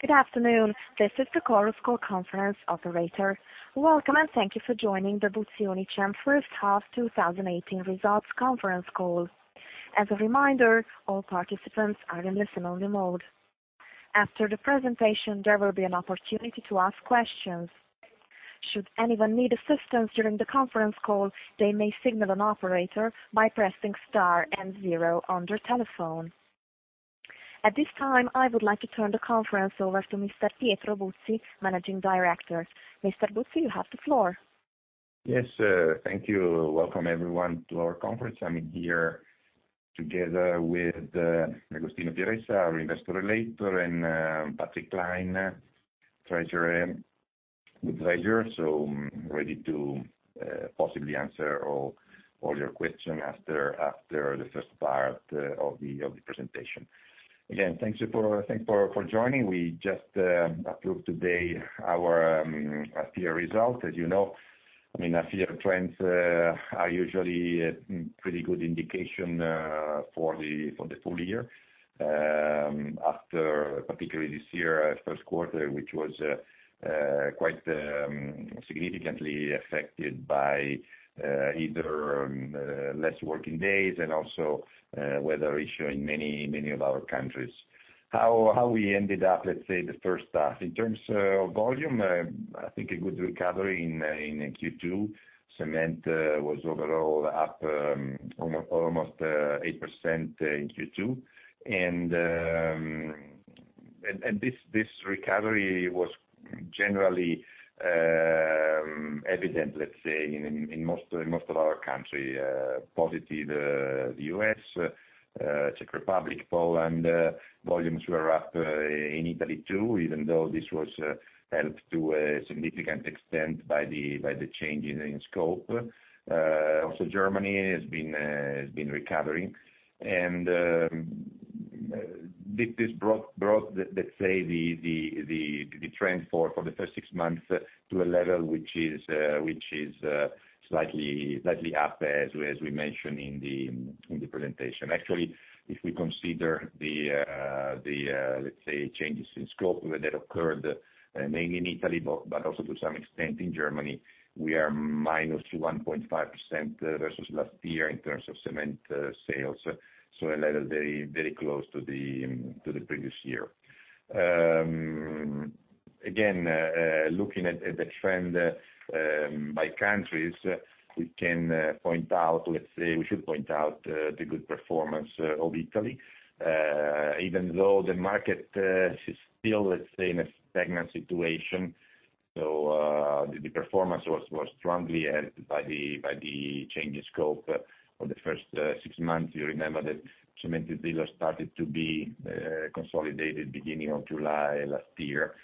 Good afternoon. This is the Chorus Call conference operator. Welcome, and thank you for joining the Buzzi Unicem first half 2018 results conference call. As a reminder, all participants are in listen only mode. After the presentation, there will be an opportunity to ask questions. Should anyone need assistance during the conference call, they may signal an operator by pressing star and zero on their telephone. At this time, I would like to turn the conference over to Mr. Pietro Buzzi, Managing Director. Mr. Buzzi, you have the floor. Yes. Thank you. Welcome, everyone, to our conference. I'm here together with Agostino Pieressa, our investor relator, and Patrick Klein, Treasurer. Ready to possibly answer all your question after the first part of the presentation. Again, thanks for joining. We just approved today our FY results. As you know, FY trends are usually a pretty good indication for the full year. After, particularly this year, first quarter, which was quite significantly affected by either less working days and also weather issue in many of our countries. How we ended up, let's say the first half. In terms of volume, I think a good recovery in Q2. Cement was overall up almost 8% in Q2. This recovery was generally evident, let's say, in most of our country. Positive, the U.S., Czech Republic, Poland. Volumes were up in Italy too, even though this was helped to a significant extent by the change in scope. Also Germany has been recovering. This brought, let's say, the trend for the first six months to a level which is slightly up as we mentioned in the presentation. Actually, if we consider the let's say, changes in scope that occurred mainly in Italy, but also to some extent in Germany, we are -1.5% versus last year in terms of cement sales. A level very close to the previous year. Again, looking at the trend by countries, we can point out, let's say, we should point out the good performance of Italy. Even though the market is still, let's say, in a stagnant situation. The performance was strongly helped by the change in scope for the first six months. You remember that Cementir deal started to be consolidated beginning of July last year.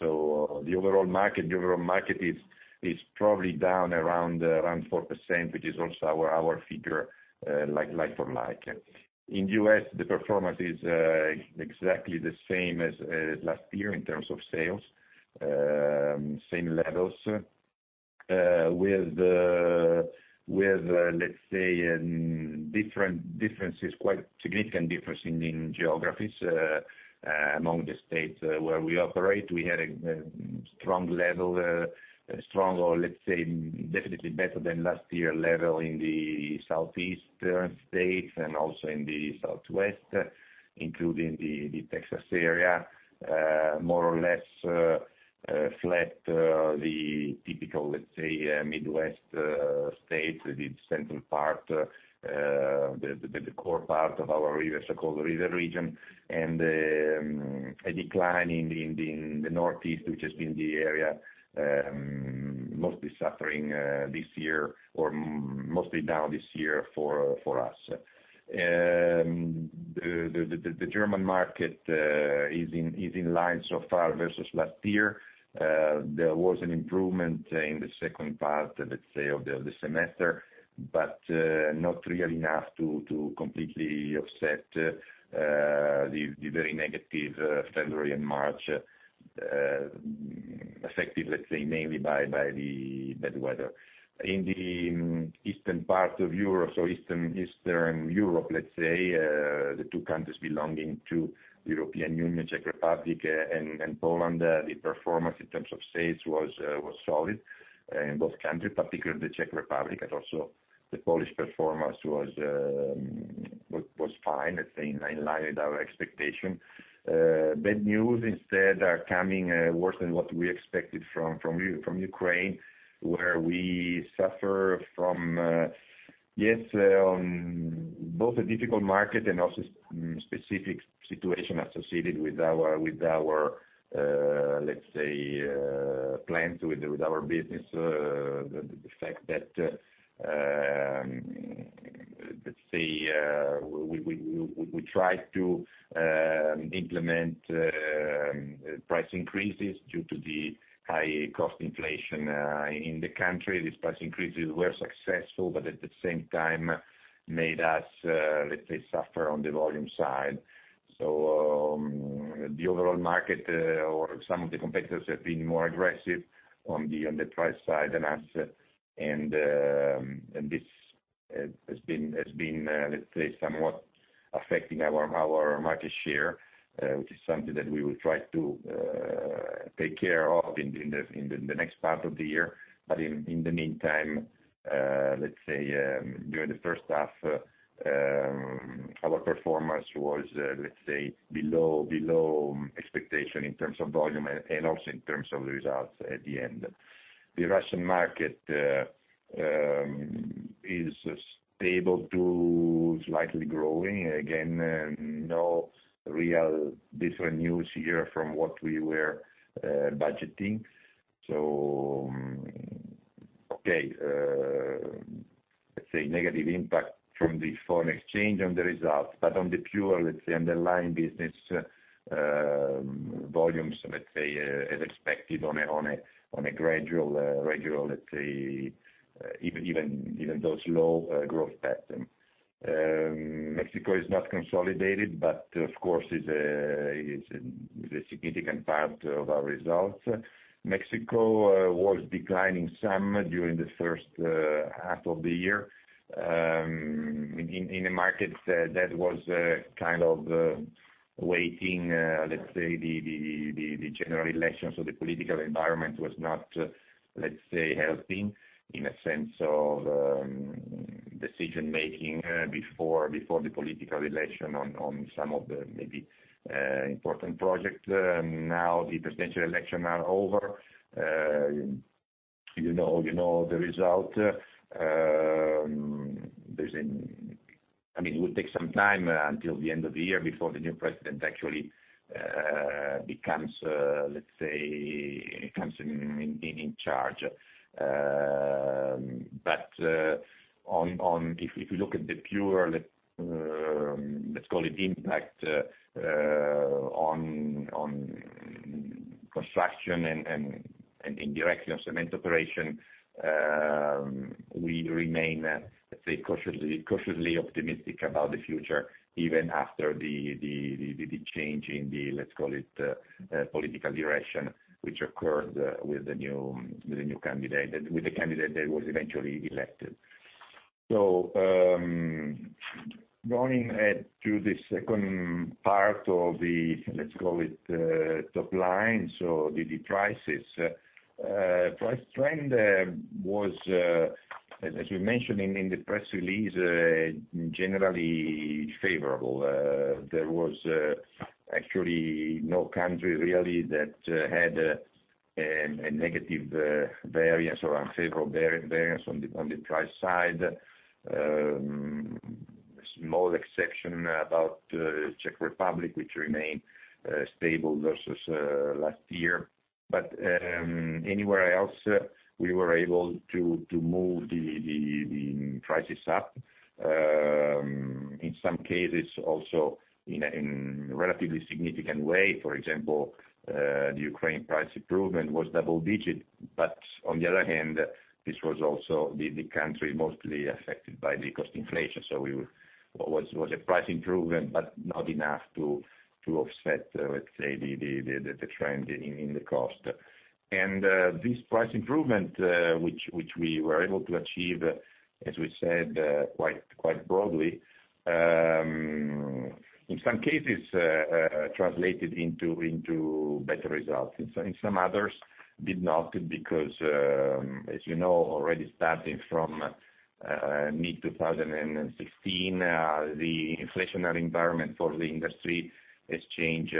The overall market is probably down around 4%, which is also our figure like for like. In the U.S. the performance is exactly the same as last year in terms of sales, same levels, with let's say, quite significant difference in geographies, among the states where we operate. We had a strong level, strong or let's say, definitely better than last year level in the Southeast states and also in the Southwest, including the Texas area. More or less flat, the typical let's say, Midwest states, the central part, the core part of our so-called river region. A decline in the Northeast, which has been the area mostly suffering this year or mostly down this year for us. The German market is in line so far versus last year. There was an improvement in the second part, let's say, of the semester, not really enough to completely offset the very negative February and March, affected, let's say, mainly by the bad weather. In the Eastern part of Europe, Eastern Europe, let's say, the two countries belonging to the European Union, Czech Republic and Poland, the performance in terms of sales was solid in both countries, particularly the Czech Republic, and also the Polish performance was fine, let's say, in line with our expectation. Bad news instead are coming worse than what we expected from Ukraine, where we suffer from, yes, both a difficult market and also specific situation associated with our, let's say, plans with our business. The fact that, let's say, we try to implement price increases due to the high cost inflation in the country. These price increases were successful, at the same time made us, let's say, suffer on the volume side. The overall market or some of the competitors have been more aggressive on the price side than us. This has been, let's say, somewhat affecting our market share, which is something that we will try to take care of in the next part of the year. In the meantime, let's say, during the first half, our performance was, let's say, below expectation in terms of volume and also in terms of results at the end. The Russian market, is stable to slightly growing. Again, no real different news here from what we were budgeting. Okay, let's say negative impact from the foreign exchange on the results. On the pure, let's say, underlying business, volumes, let's say, as expected on a gradual, let's say, even those low growth pattern. Mexico is not consolidated, of course is a significant part of our results. Mexico was declining some during the first half of the year, in a market that was kind of waiting, let's say, the general elections. The political environment was not, let's say, helping in a sense of decision making before the political election on some of the, maybe, important projects. Now the presidential election are over. You know the result. It would take some time until the end of the year before the new president actually becomes in charge. If you look at the pure, let's call it impact, on construction and in direction of cement operation, we remain, let's say, cautiously optimistic about the future, even after the change in the, let's call it, political direction, which occurred with the candidate that was eventually elected. Going ahead to the second part of the, let's call it, top line. The prices. Price trend, was, as we mentioned in the press release, generally favorable. There was actually no country really that had a negative variance or unfavorable variance on the price side. Small exception about Czech Republic, which remained stable versus last year. Anywhere else, we were able to move the prices up. In some cases, also in a relatively significant way. The Ukraine price improvement was double-digit, on the other hand, this was also the country mostly affected by the cost inflation. It was a price improvement, not enough to offset, let's say, the trend in the cost. This price improvement, which we were able to achieve, as we said, quite broadly, in some cases, translated into better results. In some others, did not, because, as you know, already starting from mid-2016, the inflationary environment for the industry has changed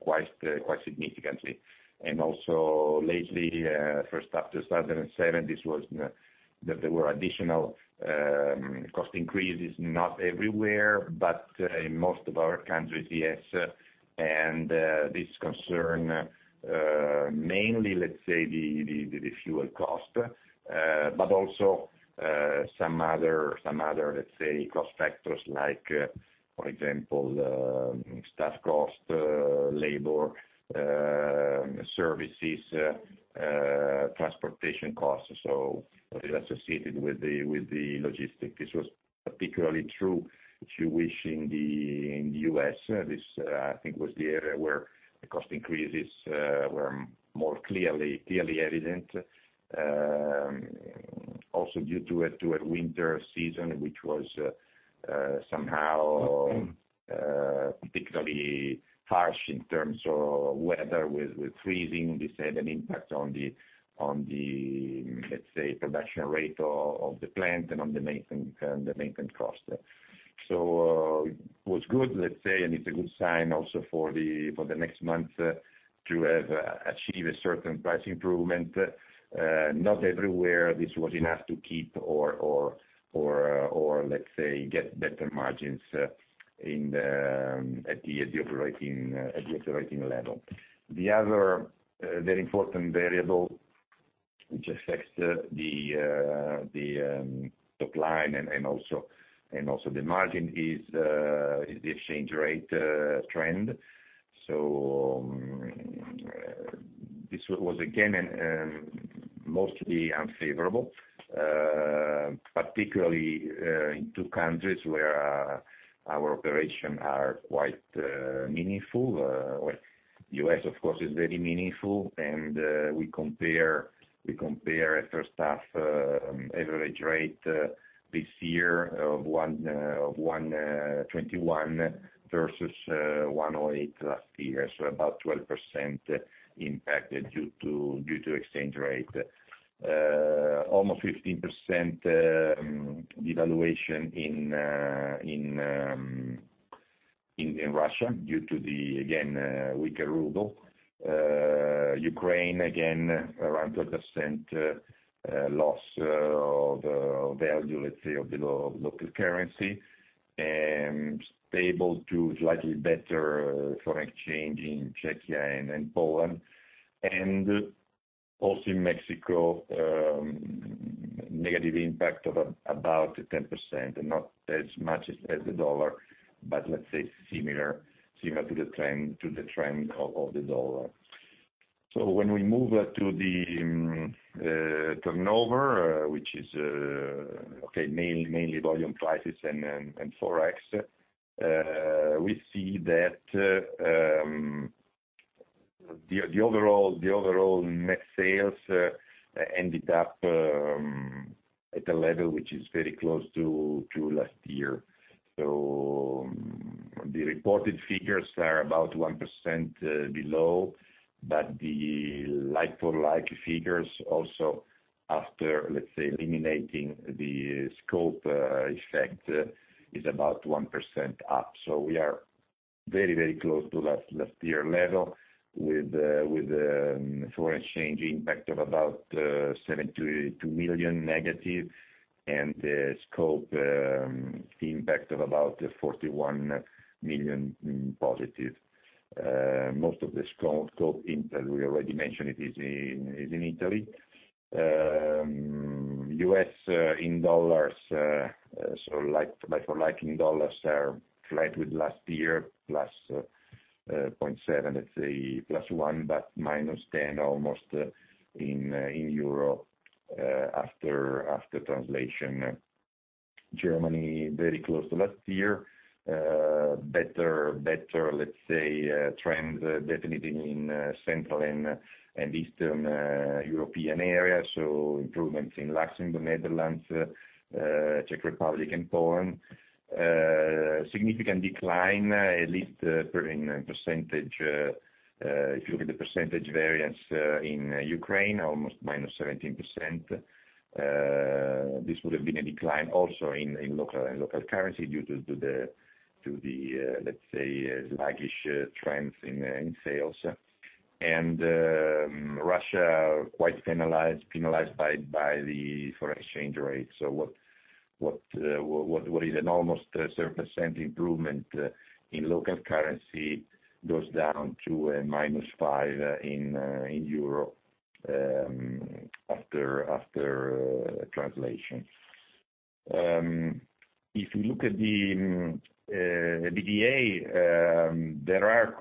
quite significantly. Also lately, first half 2017, there were additional cost increases, not everywhere, but in most of our countries, yes. This concern, mainly, let's say the fuel cost. Also, some other, let's say, cost factors like, for example, staff cost, labor, services, transportation costs, so associated with the logistics. This was particularly true, if you wish, in the U.S. This, I think, was the area where the cost increases were more clearly evident. Also due to a winter season, which was somehow, particularly harsh in terms of weather with freezing. This had an impact on the, let's say, production rate of the plant and on the maintenance cost. It was good, let's say, and it's a good sign also for the next month to have achieved a certain price improvement. Not everywhere this was enough to keep or let's say, get better margins at the operating level. The other very important variable which affects the top line and also the margin is the exchange rate trend. This was again, mostly unfavorable. Particularly, in two countries where our operations are quite meaningful. U.S., of course, is very meaningful, and we compare first half average rate this year of 121 versus 108 last year. About 12% impacted due to exchange rate. Almost 15% devaluation in Russia due to the, again, weaker ruble. Ukraine, again, around 12% loss of value, let's say, of the local currency, and stable to slightly better foreign exchange in Czechia and Poland. Also in Mexico, negative impact of about 10%, not as much as the dollar, let's say similar to the trend of the dollar. When we move to the turnover, which is mainly volume prices and Forex. We see that the overall net sales ended up at a level which is very close to last year. The reported figures are about 1% below, the like-for-like figures also after, let's say, eliminating the scope effect, is about 1% up. We are very close to last year level with foreign exchange impact of about negative 72 million, the scope impact of about positive 41 million. Most of the scope impact, we already mentioned, is in Italy. U.S. in dollars, like for like in dollars are flat with last year, +0.7, let's say, +1, almost -10 in EUR after translation. Germany, very close to last year. Better, let's say, trends definitely in Central and Eastern European area. Improvements in Luxembourg, Netherlands, Czech Republic, and Poland. Significant decline, at least if you look at the percentage variance in Ukraine, almost -17%. This would have been a decline also in local currency due to the, let's say, sluggish trends in sales. Russia quite penalized by the foreign exchange rate. What is an almost 7% improvement in local currency goes down to a minus 5 in EUR after translation. If you look at the EBITDA, there are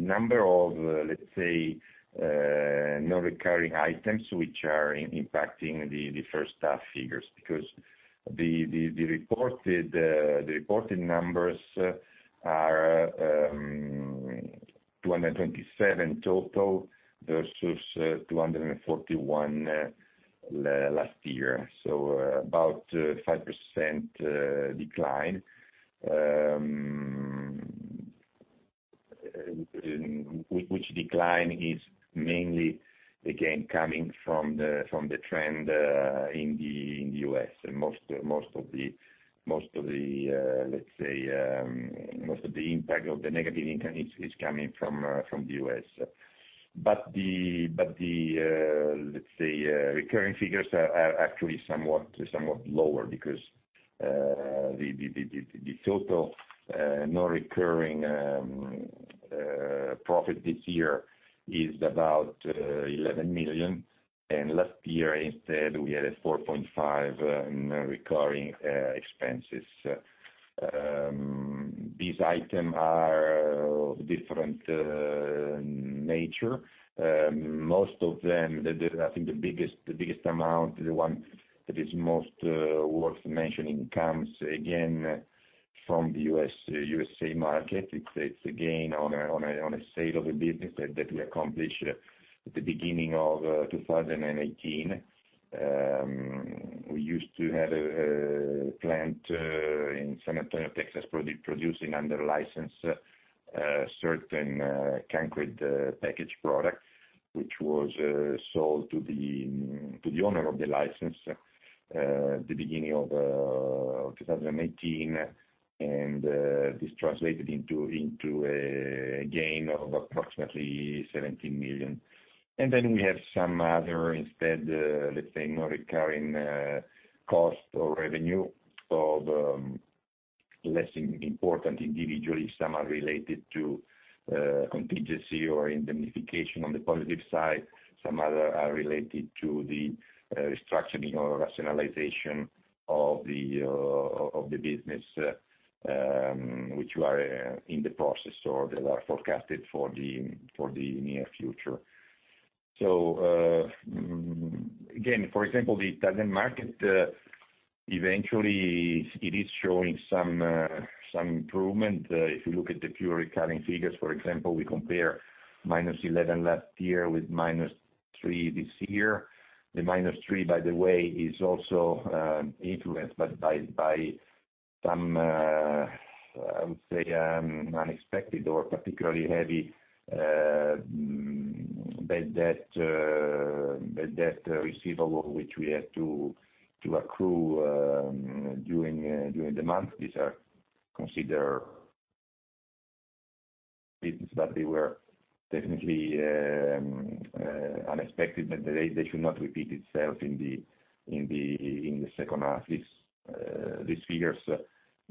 number of, let's say, non-recurring items which are impacting the first half figures because the reported numbers are 227 total versus 241 last year. About 5% decline, which decline is mainly, again, coming from the trend in the U.S. Most of the impact of the negative income is coming from the U.S. The recurring figures are actually somewhat lower because the total non-recurring profit this year is about 11 million. Last year, instead, we had a 4.5 non-recurring expenses. These item are of different nature. Most of them, I think the biggest amount, the one that is most worth mentioning, comes again from the U.S. market. It's a gain on a sale of a business that we accomplished at the beginning of 2018. We used to have a plant in San Antonio, Texas, producing under license certain concrete package product, which was sold to the owner of the license at the beginning of 2018, and this translated into a gain of approximately 17 million. Then we have some other instead, let's say, non-recurring cost or revenue of less important individually. Some are related to contingency or indemnification on the positive side. Some other are related to the restructuring or rationalization of the business, which are in the process or that are forecasted for the near future. Again, for example, the Italian market, eventually, it is showing some improvement. If you look at the pure recurring figures, for example, we compare minus 11 last year with minus 3 this year. Minus 3, by the way, is also influenced by some, I would say, unexpected or particularly heavy bad debt receivable, which we had to accrue during the month. These are considered business, but they were definitely unexpected, but they should not repeat itself in the second half. These figures,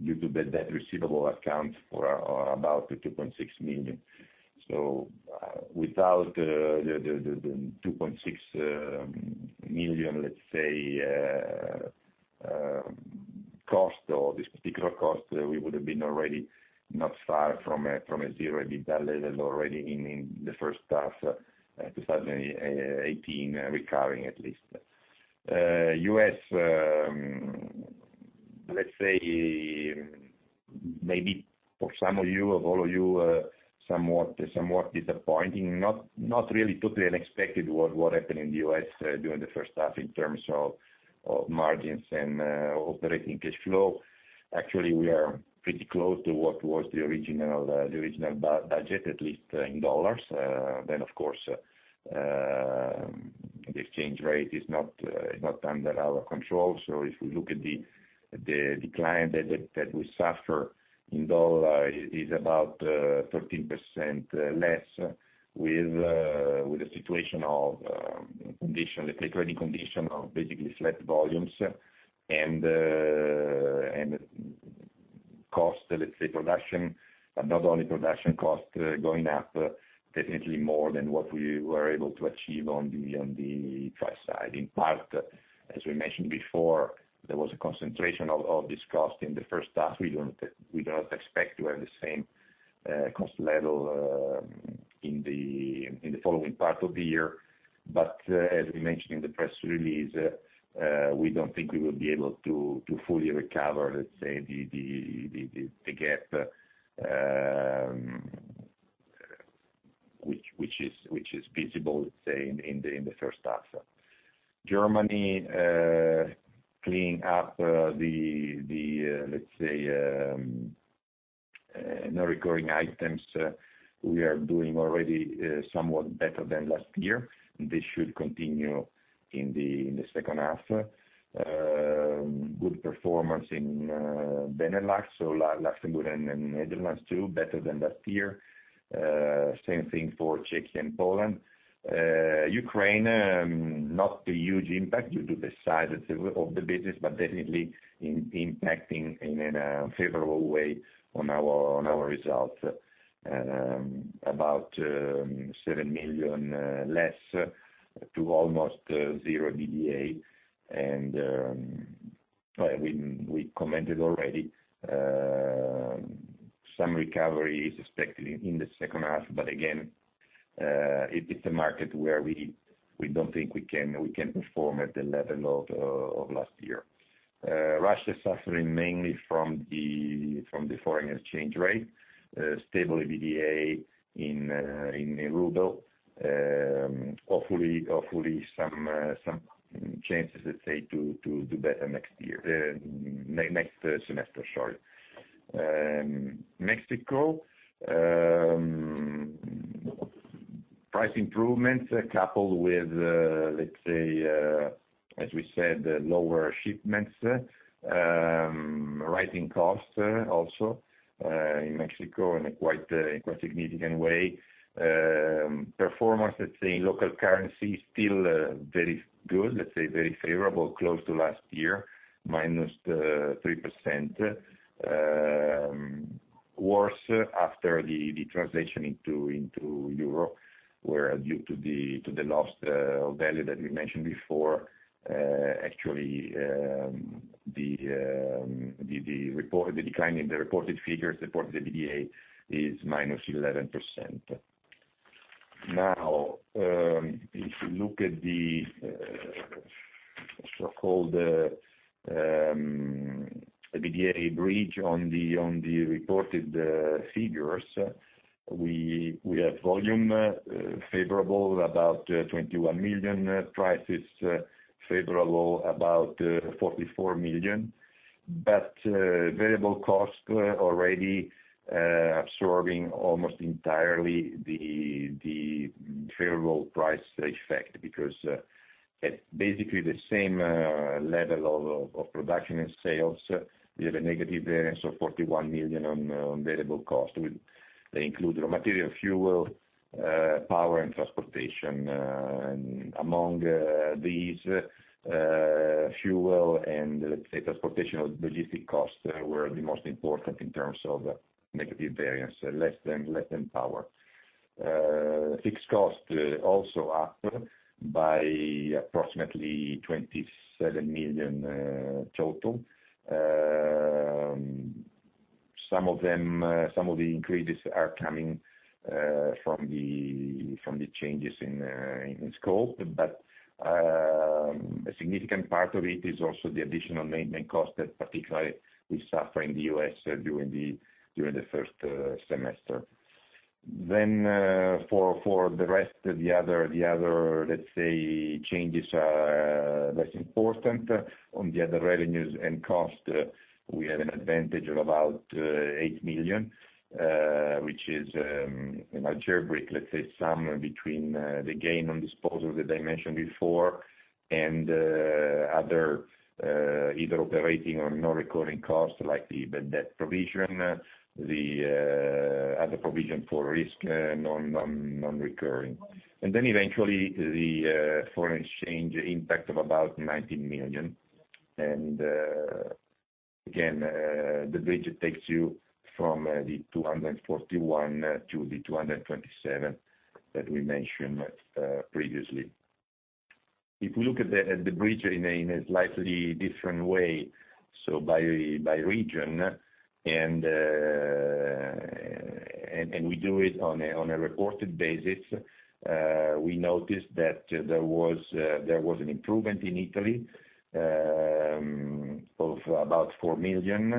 due to bad debt receivable account for about 2.6 million. Without the 2.6 million, let's say, cost or this particular cost, we would have been already not far from a zero EBITDA level already in the first half 2018, recurring at least. U.S., let's say, maybe for some of you, of all of you, somewhat disappointing, not really totally unexpected what happened in the U.S. during the first half in terms of margins and operating cash flow. Actually, we are pretty close to what was the original budget, at least in $. Of course, the exchange rate is not under our control. If we look at the decline that we suffer in $ is about 13% less with the situation of condition, let's say trading condition of basically flat volumes and cost, let's say production, but not only production cost going up definitely more than what we were able to achieve on the price side. In part, as we mentioned before, there was a concentration of this cost in the first half. We do not expect to have the same cost level in the following part of the year. As we mentioned in the press release, we don't think we will be able to fully recover, let's say, the gap, which is visible, let's say, in the first half. Germany, cleaning up the, let's say, non-recurring items, we are doing already somewhat better than last year. This should continue in the second half. Good performance in Benelux, so Luxembourg and Netherlands too, better than last year. Same thing for Czechia and Poland. Ukraine, not a huge impact due to the size of the business, but definitely impacting in a favorable way on our results. About 7 million less to almost zero EBITDA, and, we commented already, some recovery is expected in the second half, but again, it's a market where we don't think we can perform at the level of last year. Russia suffering mainly from the foreign exchange rate. Stable EBITDA in RUB. Hopefully, some chances, let's say, to do better next year, next semester, sorry. Mexico. Price improvements coupled with, let's say, as we said, lower shipments, rising costs also in Mexico in a quite significant way. Performance, let's say, in local currency, still very good, let's say very favorable, close to last year, minus 3% worse after the translation into EUR, where due to the lost value that we mentioned before, actually, the decline in the reported figures, reported EBITDA is minus 11%. If you look at the so-called EBITDA bridge on the reported figures, we have volume favorable about 21 million. Price is favorable about 44 million. Variable cost already absorbing almost entirely the favorable price effect, because at basically the same level of production and sales, we have a negative variance of 41 million on variable cost. They include raw material, fuel, power, and transportation. Among these, fuel and, let's say, transportation or logistic costs were the most important in terms of negative variance, less than power. Fixed cost also up by approximately EUR 27 million total. Some of the increases are coming from the changes in scope, but a significant part of it is also the additional maintenance cost that particularly we suffer in the U.S. during the first semester. For the rest, the other changes are less important. On the other revenues and cost, we had an advantage of about 8 million, which is algebraic, let's say sum between the gain on disposal that I mentioned before, and other either operating or non-recurring costs, like the bad debt provision, the other provision for risk, non-recurring. Eventually, the foreign exchange impact of about 19 million. Again, the bridge takes you from the 241 to the 227 that we mentioned previously. If you look at the bridge in a slightly different way, so by region, and we do it on a reported basis, we notice that there was an improvement in Italy, of about 4 million.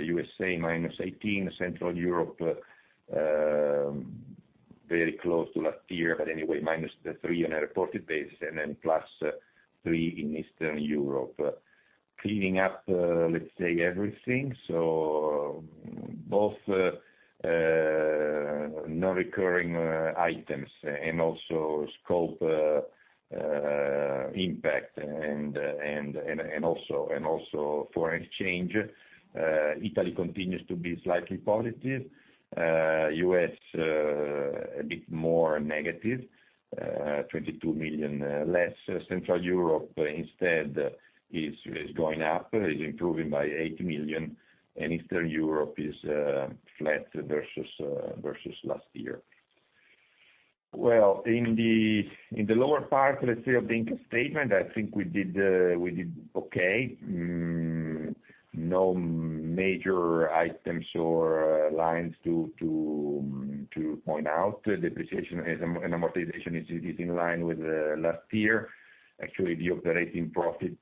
U.S., minus $18. Central Europe, very close to last year, but anyway minus 3 on a reported basis, and then plus 3 in Eastern Europe. Cleaning up everything, so both non-recurring items and also scope impact, and also foreign exchange, Italy continues to be slightly positive. U.S. a bit more negative, $22 million less. Central Europe, instead, is going up, is improving by 8 million, and Eastern Europe is flat versus last year. Well, in the lower part of the income statement, I think we did okay. No major items or lines to point out. Depreciation and amortization is in line with last year. Actually, the operating profit,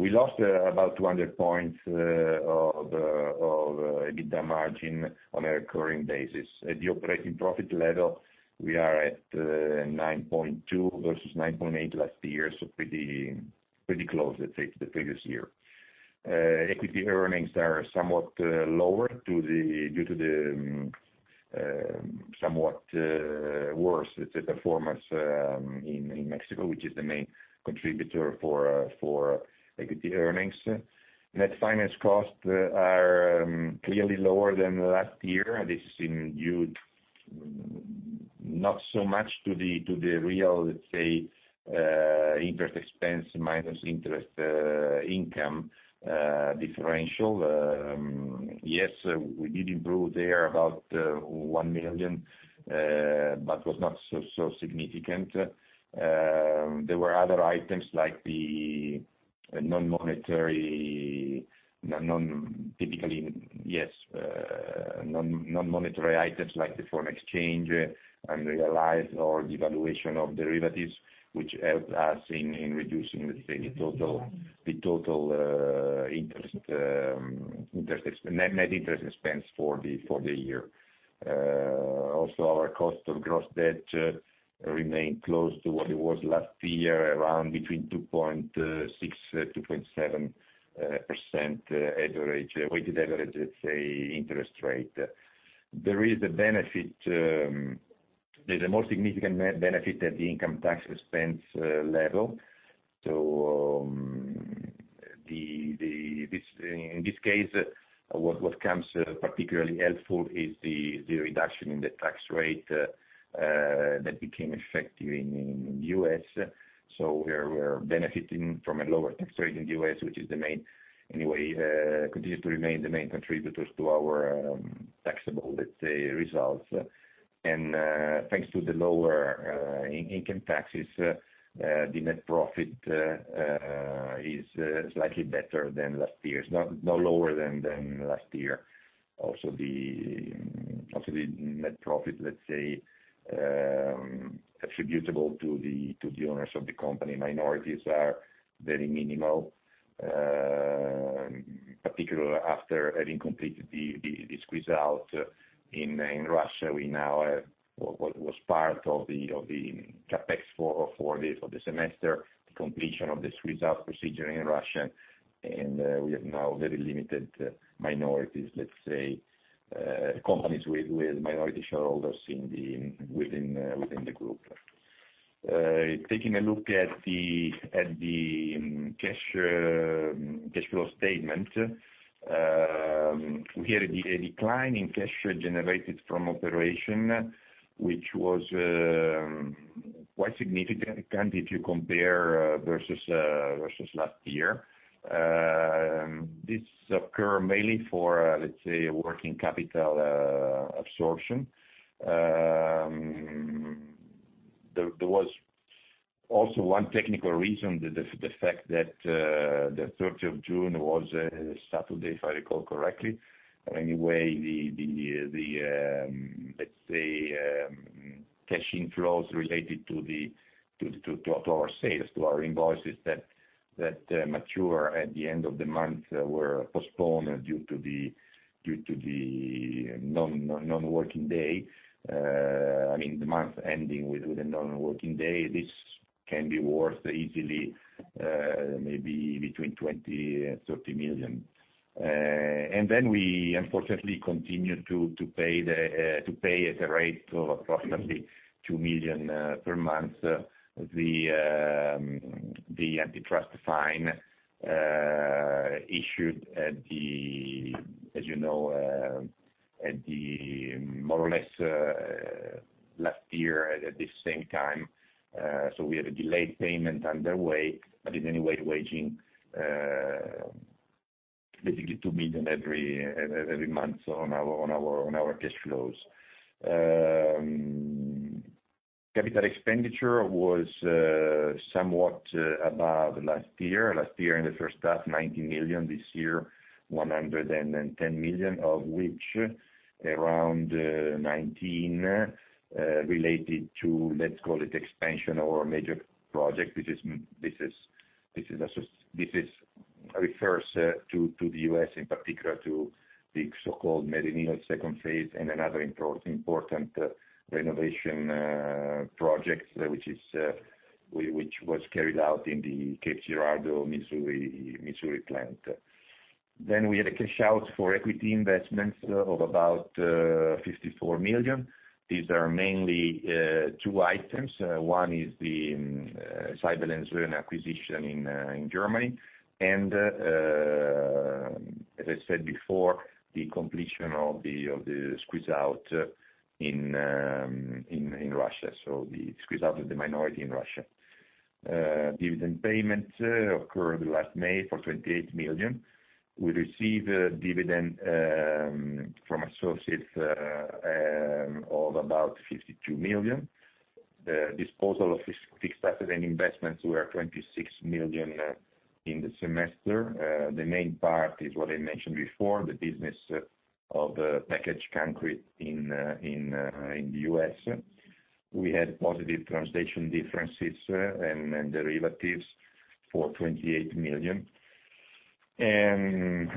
we lost about 200 points of EBITDA margin on a recurring basis. At the operating profit level, we are at 9.2 versus 9.8 last year, so pretty close, let's say, to the previous year. Equity earnings are somewhat lower due to the somewhat worse performance in Mexico, which is the main contributor for equity earnings. Net finance costs are clearly lower than last year. This is due not so much to the real, let's say, interest expense minus interest income differential. Yes, we did improve there about 1 million, but was not so significant. There were other items like the non-monetary items like the foreign exchange, unrealized or devaluation of derivatives, which helped us in reducing, let's say, the total net interest expense for the year. Our cost of gross debt remained close to what it was last year, around between 2.6%, 2.7% weighted average, let's say, interest rate. There is the most significant benefit at the income tax expense level. In this case, what comes particularly helpful is the reduction in the tax rate that became effective in U.S. We are benefiting from a lower tax rate in the U.S., which anyway continues to remain the main contributor to our taxable, let's say, results. Thanks to the lower income taxes, the net profit is slightly better than last year. It's not lower than last year. The net profit, let's say, attributable to the owners of the company. Minorities are very minimal, particularly after having completed the squeeze out in Russia. We now have what was part of the CapEx for the semester, the completion of the squeeze out procedure in Russia, and we have now very limited minorities, let's say, companies with minority shareholders within the group. Taking a look at the cash flow statement. We had a decline in cash generated from operation, which was a quite significant if you compare versus last year. This occurred mainly for, let's say, working capital absorption. There was also one technical reason, the fact that the 30th of June was a Saturday, if I recall correctly. Anyway, let's say, cash inflows related to our sales, to our invoices that mature at the end of the month, were postponed due to the non-working day. I mean, the month ending with a non-working day. This can be worth easily maybe between 20 and 30 million. We unfortunately continued to pay at a rate of approximately 2 million per month, the antitrust fine issued, as you know, more or less last year at the same time. We have a delayed payment underway, but in any way, waging basically 2 million every month on our cash flows. Capital expenditure was somewhat above last year. Last year in the first half, 90 million. This year, 110 million, of which around 19 related to, let's call it expansion or a major project. This refers to the U.S., in particular to the so-called Midlothian second phase and another important renovation project, which was carried out in the Cape Girardeau, Missouri plant. We had a cash out for equity investments of about 54 million. These are mainly two items. One is the Seibel & Söhne acquisition in Germany. As I said before, the completion of the squeeze out in Russia. The squeeze out of the minority in Russia. Dividend payment occurred last May for 28 million. We received a dividend from associates of about 52 million. Disposal of fixed asset and investments were 26 million in the semester. The main part is what I mentioned before, the business of packaged concrete in the U.S. We had positive translation differences and derivatives for 28 million.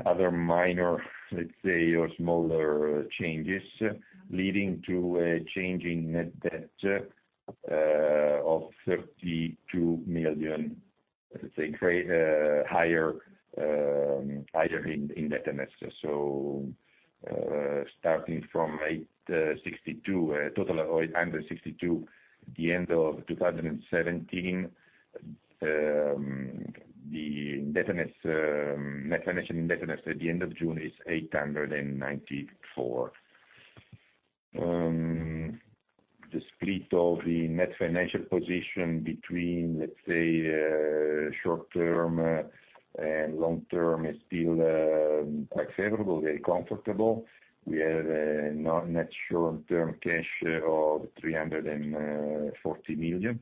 Other minor, let's say, or smaller changes, leading to a change in net debt of 32 million, let's say, higher in that semester. Starting from total 862 at the end of 2017, the net financial indebtedness at the end of June is 894. The split of the net financial position between, let's say, short term and long term is still quite favorable, very comfortable. We have a net short term cash of 340 million.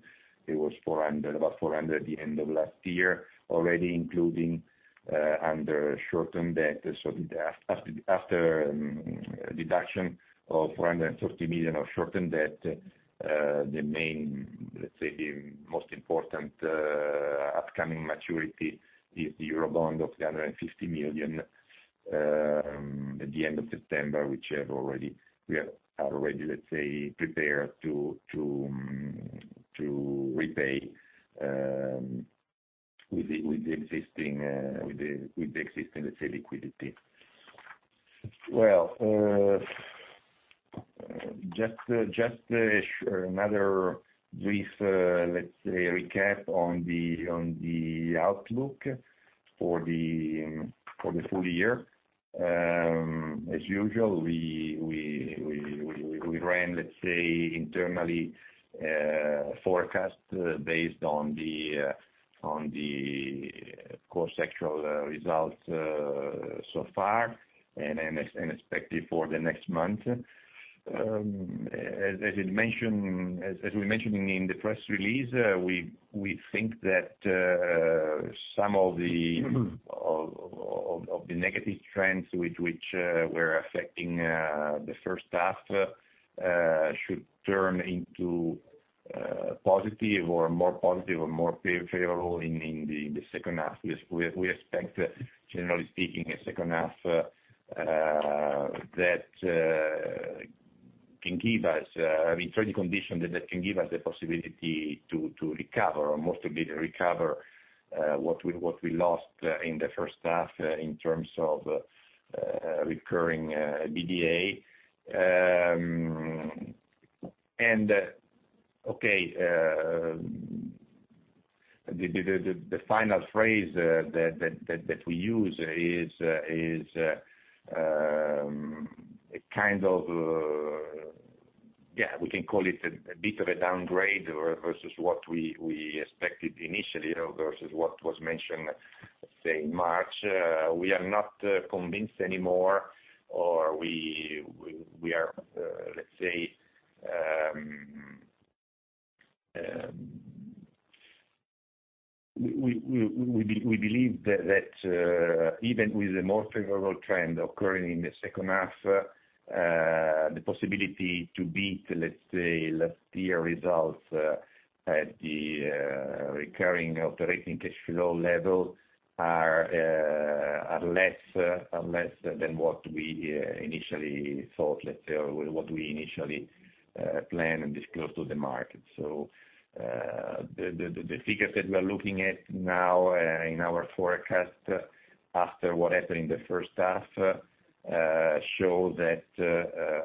It was about 400 million at the end of last year, already including under short term debt. After deduction of 430 million of short term debt, let's say, the most important upcoming maturity is the Eurobond of 350 million at the end of September, which we are already prepared to repay with the existing liquidity. Just another brief recap on the outlook for the full year. As usual, we ran, let's say, internally, forecasts based on the core sectoral results so far and expected for the next month. As we mentioned in the press release, we think that some of the negative trends which were affecting the first half, should turn into positive, or more positive, or more favorable in the second half. We expect, generally speaking, a second half that can give us trading conditions that can give us the possibility to recover, or most of it recover, what we lost in the first half in terms of recurring EBITDA. The final phrase that we use is, we can call it a bit of a downgrade versus what we expected initially, versus what was mentioned, say, in March. We are not convinced anymore, or we believe that even with the most favorable trend occurring in the second half, the possibility to beat, let's say, last year results at the recurring operating cash flow level are less than what we initially thought, or what we initially planned and disclosed to the market. The figures that we are looking at now in our forecast, after what happened in the first half, show that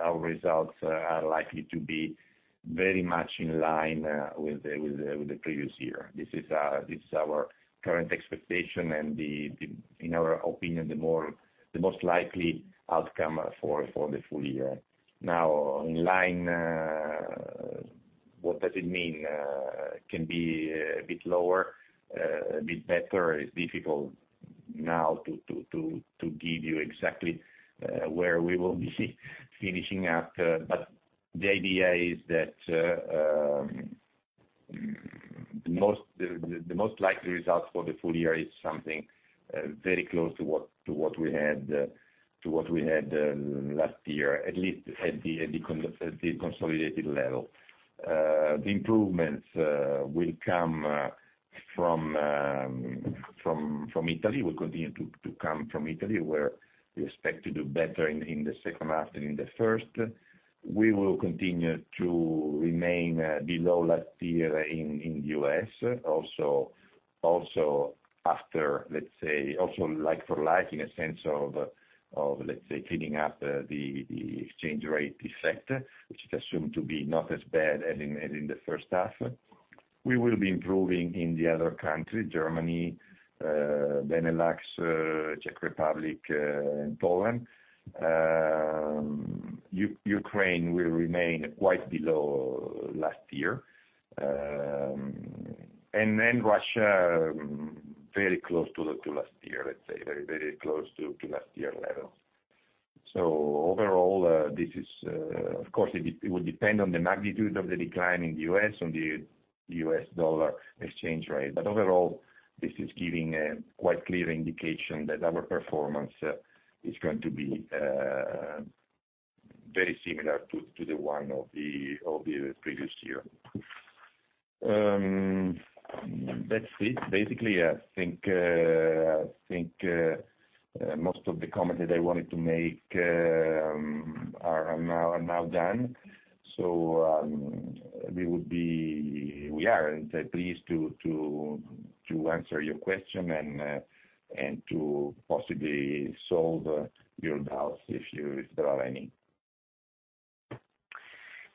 our results are likely to be very much in line with the previous year. This is our current expectation, and in our opinion, the most likely outcome for the full year. In line, what does it mean? It can be a bit lower, a bit better. It's difficult now to give you exactly where we will be finishing at. The idea is that, the most likely result for the full year is something very close to what we had last year, at least at the consolidated level. The improvements will come from Italy, will continue to come from Italy, where we expect to do better in the second half than in the first. We will continue to remain below last year in U.S., also like for like, in a sense of, let's say, cleaning up the exchange rate effect, which is assumed to be not as bad as in the first half. We will be improving in the other countries, Germany, Benelux, Czech Republic, and Poland. Ukraine will remain quite below last year. Russia, very close to last year, let's say. Very close to last year level. Overall, of course, it will depend on the magnitude of the decline in the U.S., on the U.S. dollar exchange rate. Overall, this is giving a quite clear indication that our performance is going to be very similar to the one of the previous year. That's it. Basically, I think most of the comments that I wanted to make are now done. We are pleased to answer your question and to possibly solve your doubts, if there are any.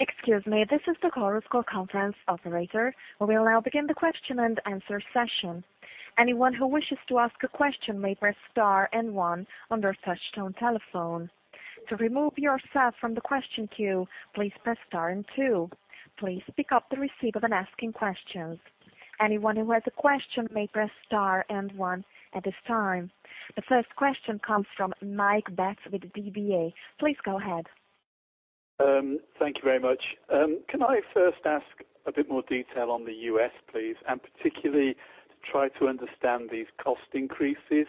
Excuse me. This is the Chorus Call Conference operator. We will now begin the question and answer session. Anyone who wishes to ask a question may press star and one on their touchtone telephone. To remove yourself from the question queue, please press star and two. Please pick up the receipt when asking questions. Anyone who has a question may press star and one at this time. The first question comes from Mike Betts with DBA. Please go ahead. Thank you very much. Can I first ask a bit more detail on the U.S., please, and particularly to try to understand these cost increases?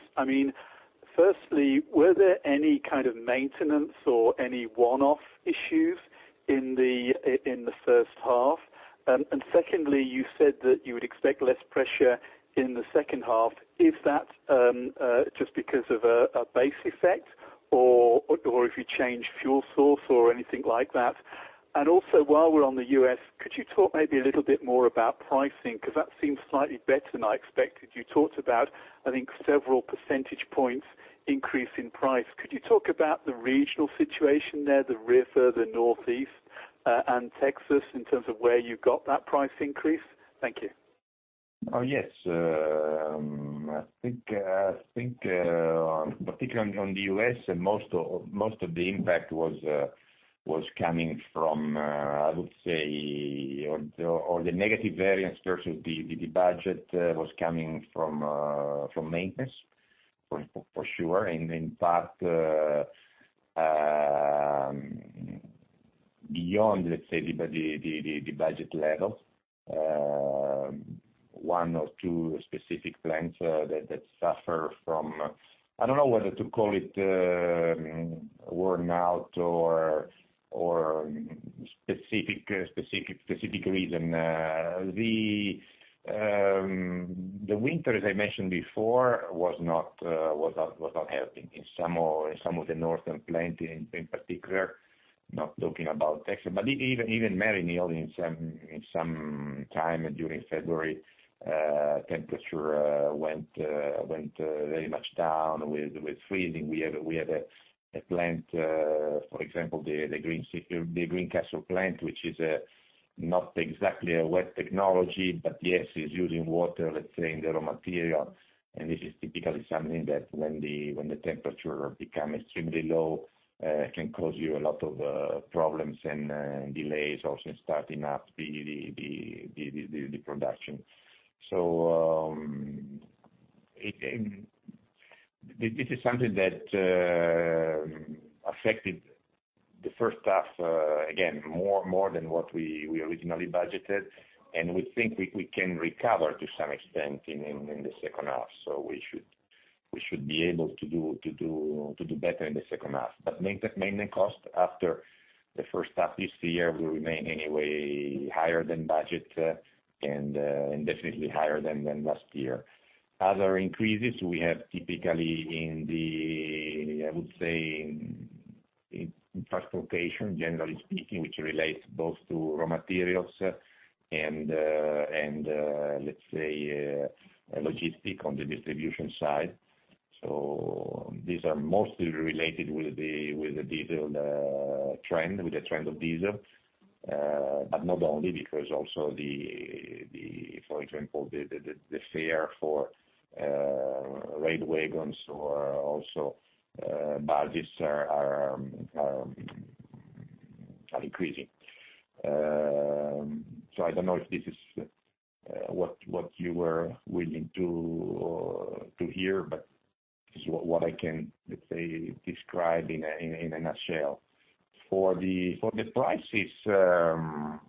Firstly, were there any kind of maintenance or any one-off issues in the first half? Secondly, you said that you would expect less pressure in the second half. Is that just because of a base effect, or if you change fuel source or anything like that? Also, while we're on the U.S., could you talk maybe a little bit more about pricing? Because that seems slightly better than I expected. You talked about, I think, several percentage points increase in price. Could you talk about the regional situation there, the river, the Northeast, and Texas, in terms of where you got that price increase? Thank you. Yes. I think particularly on the U.S., most of the impact was coming from, I would say, all the negative variance versus the budget was coming from maintenance, for sure. In part, beyond, let's say, the budget level. One or two specific plants that suffer from, I don't know whether to call it worn out or specific reason. The winter, as I mentioned before, was not helping in some of the northern plants in particular. Not talking about Texas, but even Maryneal, in some time during February, temperature went very much down. With freezing, we had a plant, for example, the Greencastle plant, which is not exactly a wet technology, but yes, it is using water, let's say, in the raw material. This is typically something that when the temperature becomes extremely low, it can cause you a lot of problems and delays, also in starting up the production. This is something that affected the first half, again, more than what we originally budgeted, and we think we can recover to some extent in the second half. We should be able to do better in the second half, but maintenance cost after the first half this year will remain, anyway, higher than budget and definitely higher than last year. Other increases we have typically in the, I would say, in transportation, generally speaking, which relates both to raw materials and, let's say, logistics on the distribution side. Not only because also, for example, the fare for rail wagons or also budgets are increasing. I don't know if this is what you were willing to hear, but this is what I can, let's say, describe in a nutshell. For the prices, the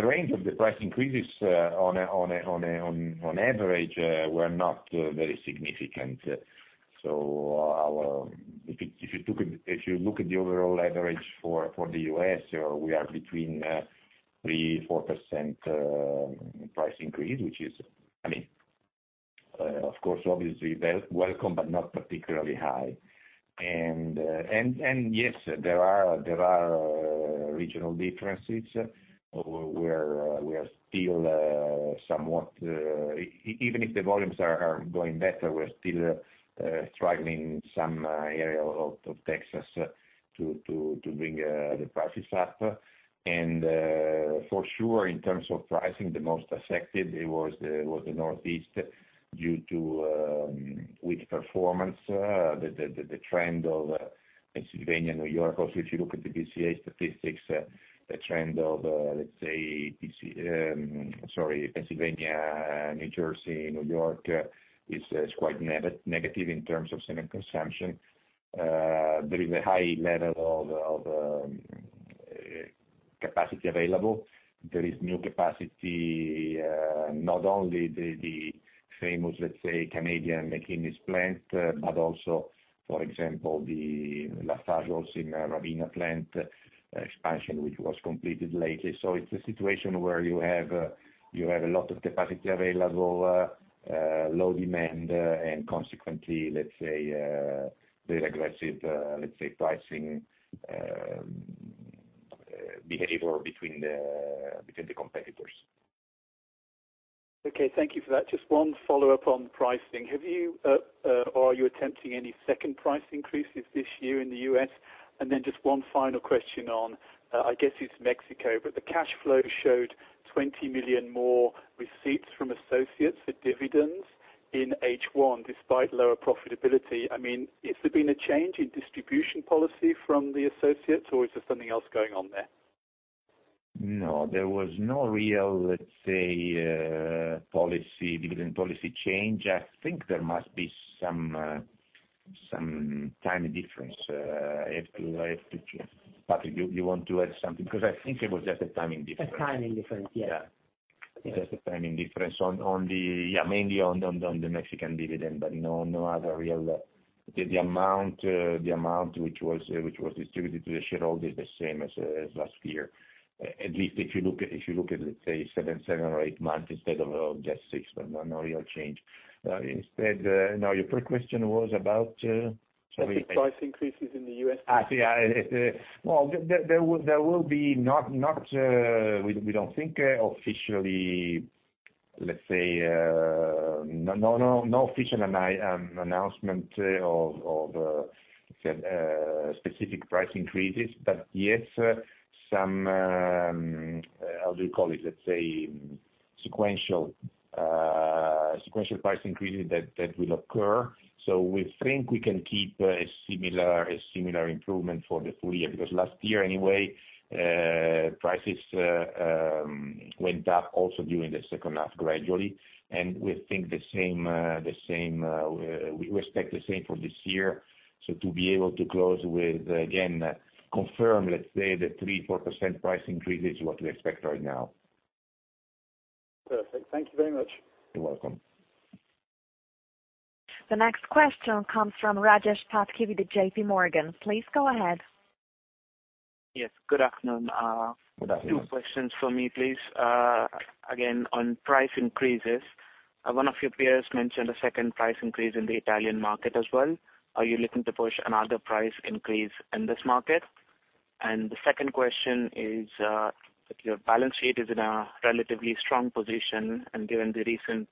range of the price increases on average were not very significant. If you look at the overall average for the U.S., we are between 3%-4% price increase, which is, of course, obviously, welcome but not particularly high. Yes, there are regional differences. Even if the volumes are going better, we're still struggling in some areas of Texas to bring the prices up. For sure, in terms of pricing, the most affected, it was the Northeast due to weak performance, the trend of Pennsylvania, New York. Also, if you look at the PCA statistics, the trend of, let's say, Pennsylvania, New Jersey, New York is quite negative in terms of cement consumption. There is a high level of capacity available. There is new capacity, not only the famous, let's say, Canadian McInnis plant, but also, for example, the LafargeHolcim Ravena plant expansion, which was completed lately. It's a situation where you have a lot of capacity available, low demand, and consequently, let's say, very aggressive pricing behavior between the competitors. Okay. Thank you for that. Just one follow-up on pricing. Are you attempting any second price increases this year in the U.S.? Just one final question on, I guess it's Mexico, but the cash flow showed 20 million more receipts from associates for dividends in H1, despite lower profitability. Has there been a change in distribution policy from the associates, or is there something else going on there? There was no real, let's say, dividend policy change. I think there must be some time difference. Patrick, do you want to add something? I think it was just a timing difference. A timing difference, yes. Just a timing difference on the, mainly on the Mexican dividend. The amount which was distributed to the shareholder is the same as last year. At least if you look at, let's say, seven or eight months instead of just six, but no real change. Now your third question was about, sorry. Price increases in the U.S. Yeah. Well, we don't think officially, let's say, no official announcement of specific price increases. Yes, some, how do you call it, let's say, sequential price increases that will occur. We think we can keep a similar improvement for the full year, because last year, anyway, prices went up also during the second half gradually, and we expect the same for this year. To be able to close with, again, confirm, let's say, the 3%-4% price increase is what we expect right now. Perfect. Thank you very much. You're welcome. The next question comes from Rajesh Patki with JPMorgan. Please go ahead. Yes. Good afternoon. Good afternoon. Two questions for me, please. Again, on price increases, one of your peers mentioned a second price increase in the Italian market as well. Are you looking to push another price increase in this market? The second question is, if your balance sheet is in a relatively strong position and given the recent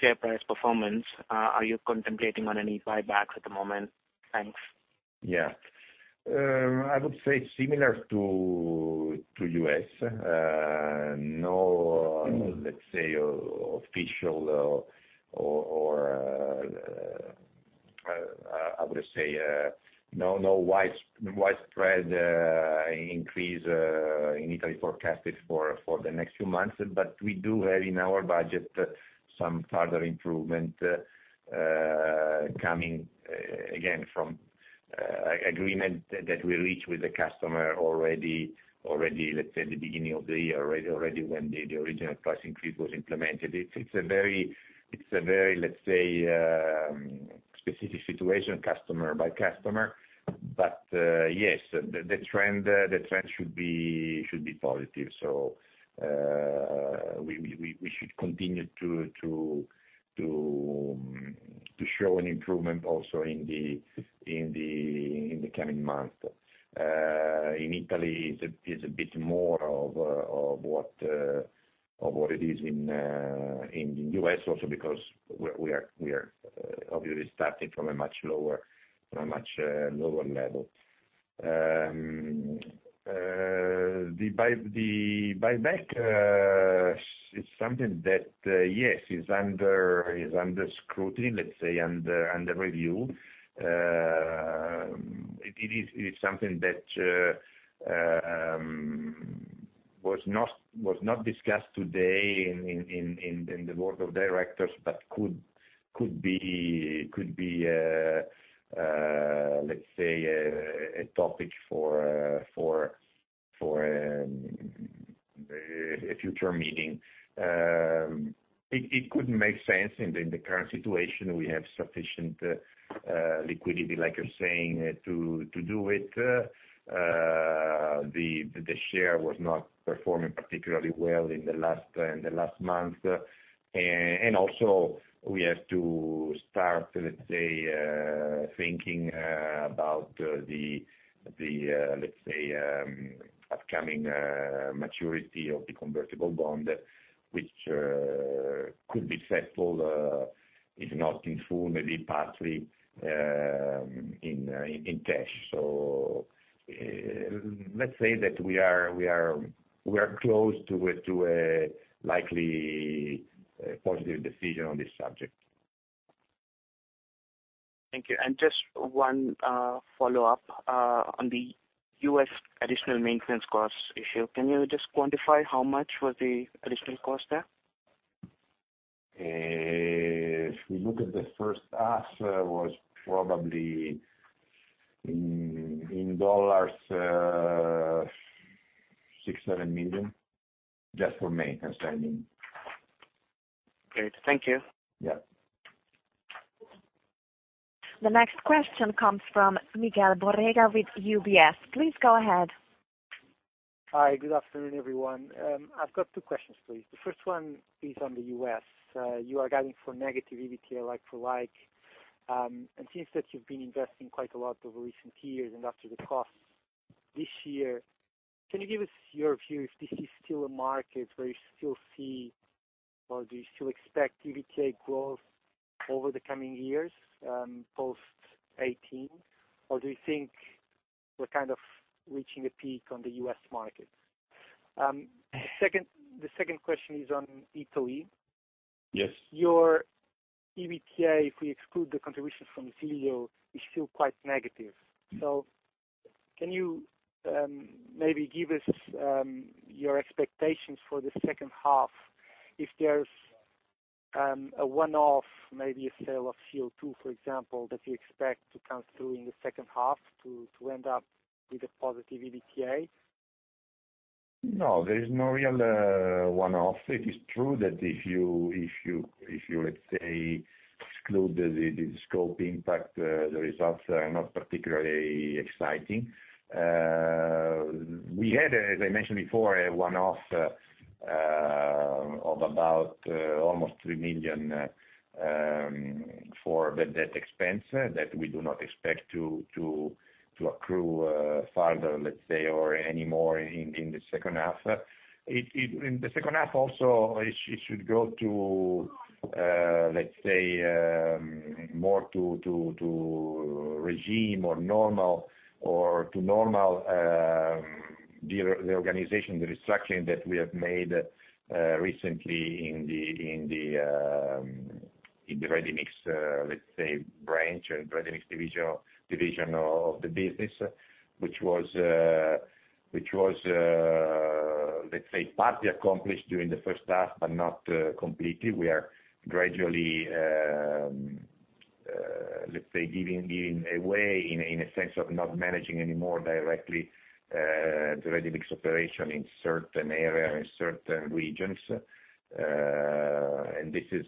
share price performance, are you contemplating on any buybacks at the moment? Thanks. I would say similar to U.S. Let's say, official or, how to say, no widespread increase in Italy forecasted for the next few months. We do have in our budget some further improvement coming, again, from agreement that we reached with the customer already, let's say, the beginning of the year, already when the original price increase was implemented. It's a very, let's say, specific situation customer by customer. Yes, the trend should be positive. We should continue to show an improvement also in the coming months. In Italy, it's a bit more of what it is in U.S. also because we are obviously starting from a much lower level. The buyback is something that, yes, is under scrutiny, let's say, under review. It is something that was not discussed today in the board of directors, could be, let's say, a topic for a future meeting. It could make sense in the current situation. We have sufficient liquidity, like you're saying, to do it. The share was not performing particularly well in the last month. Also, we have to start, let's say, thinking about the, let's say, upcoming maturity of the convertible bond, which could be settled, if not in full, maybe partly, in cash. Let's say that we are close to a likely positive decision on this subject. Thank you. Just one follow-up on the U.S. additional maintenance cost issue. Can you just quantify how much was the additional cost there? If we look at the first half, was probably in dollars, $6 million, $7 million. Just for maintenance, I mean. Great. Thank you. Yeah. The next question comes from Miguel Borrega with UBS. Please go ahead. Hi, good afternoon, everyone. I've got two questions, please. The first one is on the U.S. You are guiding for negative EBITDA like for like. Since that you've been investing quite a lot over recent years and after the costs this year, can you give us your view if this is still a market where you still see, or do you still expect EBITDA growth over the coming years, post 2018? Or do you think we're kind of reaching a peak on the U.S. market? The second question is on Italy. Yes. Your EBITDA, if we exclude the contribution from the Zillo, is still quite negative. Can you maybe give us your expectations for the second half, if there's a one-off, maybe a sale of CO2, for example, that you expect to come through in the second half to end up with a positive EBITDA? No, there is no real one-off. It is true that if you exclude the scope impact, the results are not particularly exciting. We had, as I mentioned before, a one-off of about almost 3 million for the debt expense that we do not expect to accrue further or any more in the second half. In the second half also, it should go to more to regime or normal, or to normal the organization, the restructuring that we have made recently in the ready-mix branch and ready-mix division of the business, which was partly accomplished during the first half, but not completely. We are gradually giving in a way, in a sense of not managing any more directly the ready-mix operation in certain area, in certain regions. This is,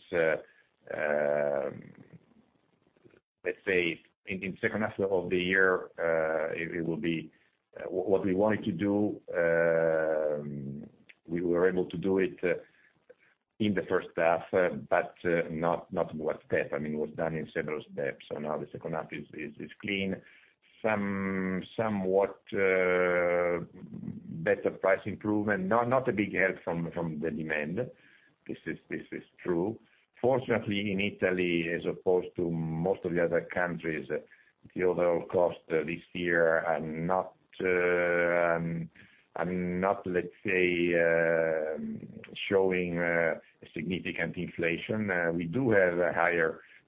in second half of the year, what we wanted to do, we were able to do it in the first half, but not in one step. It was done in several steps. Now the second half is clean. Somewhat Better price improvement. Not a big help from the demand. This is true. Fortunately, in Italy, as opposed to most of the other countries, the overall cost this year are not showing significant inflation. We do have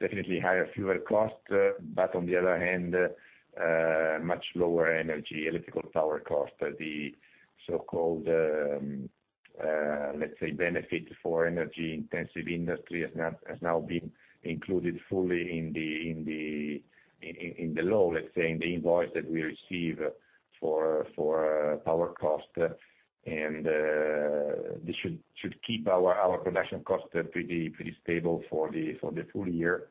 definitely higher fuel costs, but on the other hand, much lower energy electrical power cost. The so-called benefit for energy intensive industry has now been included fully in the law, in the invoice that we receive for power cost, and this should keep our production cost pretty stable for the full year.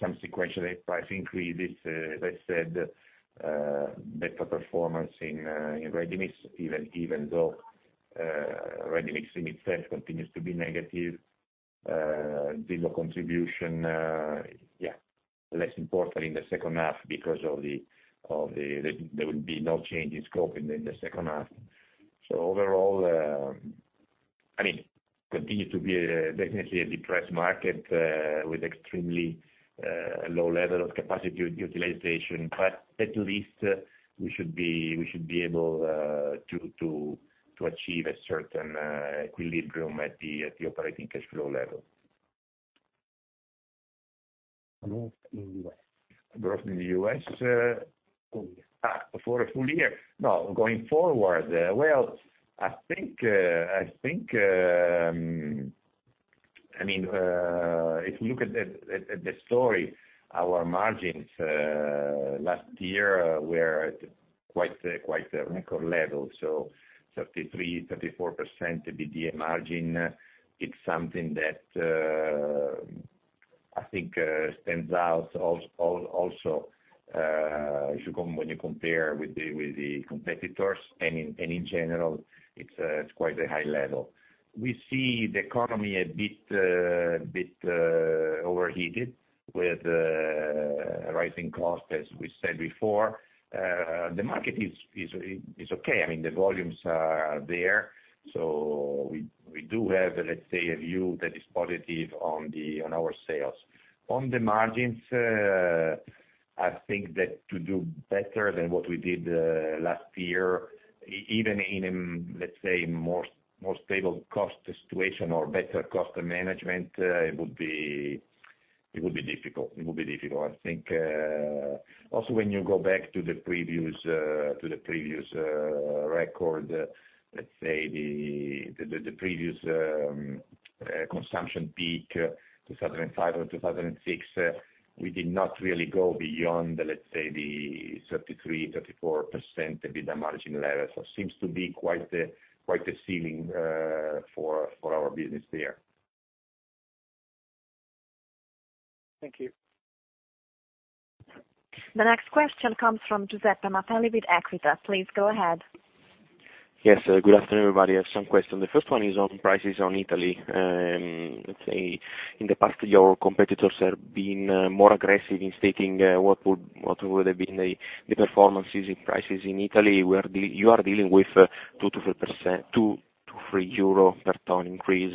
Some sequential price increase, as I said, better performance in ready-mix, even though ready-mix in itself continues to be negative. Zillo contribution, less important in the second half because there will be no change in scope in the second half. Overall, it continues to be definitely a depressed market, with extremely low level of capacity utilization. At least we should be able to achieve a certain equilibrium at the operating cash flow level. Growth in the U.S. Growth in the U.S.? Full year. For a full year? No. Going forward. If you look at the story, our margins last year were at quite a record level, 33%-34% EBITDA margin. It's something that, I think, stands out also when you compare with the competitors, and in general, it's quite a high level. We see the economy a bit overheated, with rising costs, as we said before. The market is okay. The volumes are there. We do have a view that is positive on our sales. On the margins, I think that to do better than what we did last year, even in more stable cost situation or better cost management, it would be difficult. I think also when you go back to the previous record, the previous consumption peak, 2005 or 2006, we did not really go beyond the 33%-34% EBITDA margin level. Seems to be quite a ceiling for our business there. Thank you. The next question comes from Giuseppe Mapelli with Equita. Please go ahead. Yes. Good afternoon, everybody. I have some questions. The first one is on prices on Italy. Let's say, in the past, your competitors have been more aggressive in stating what would have been the performances in prices in Italy. You are dealing with 2-3 euro per ton increase.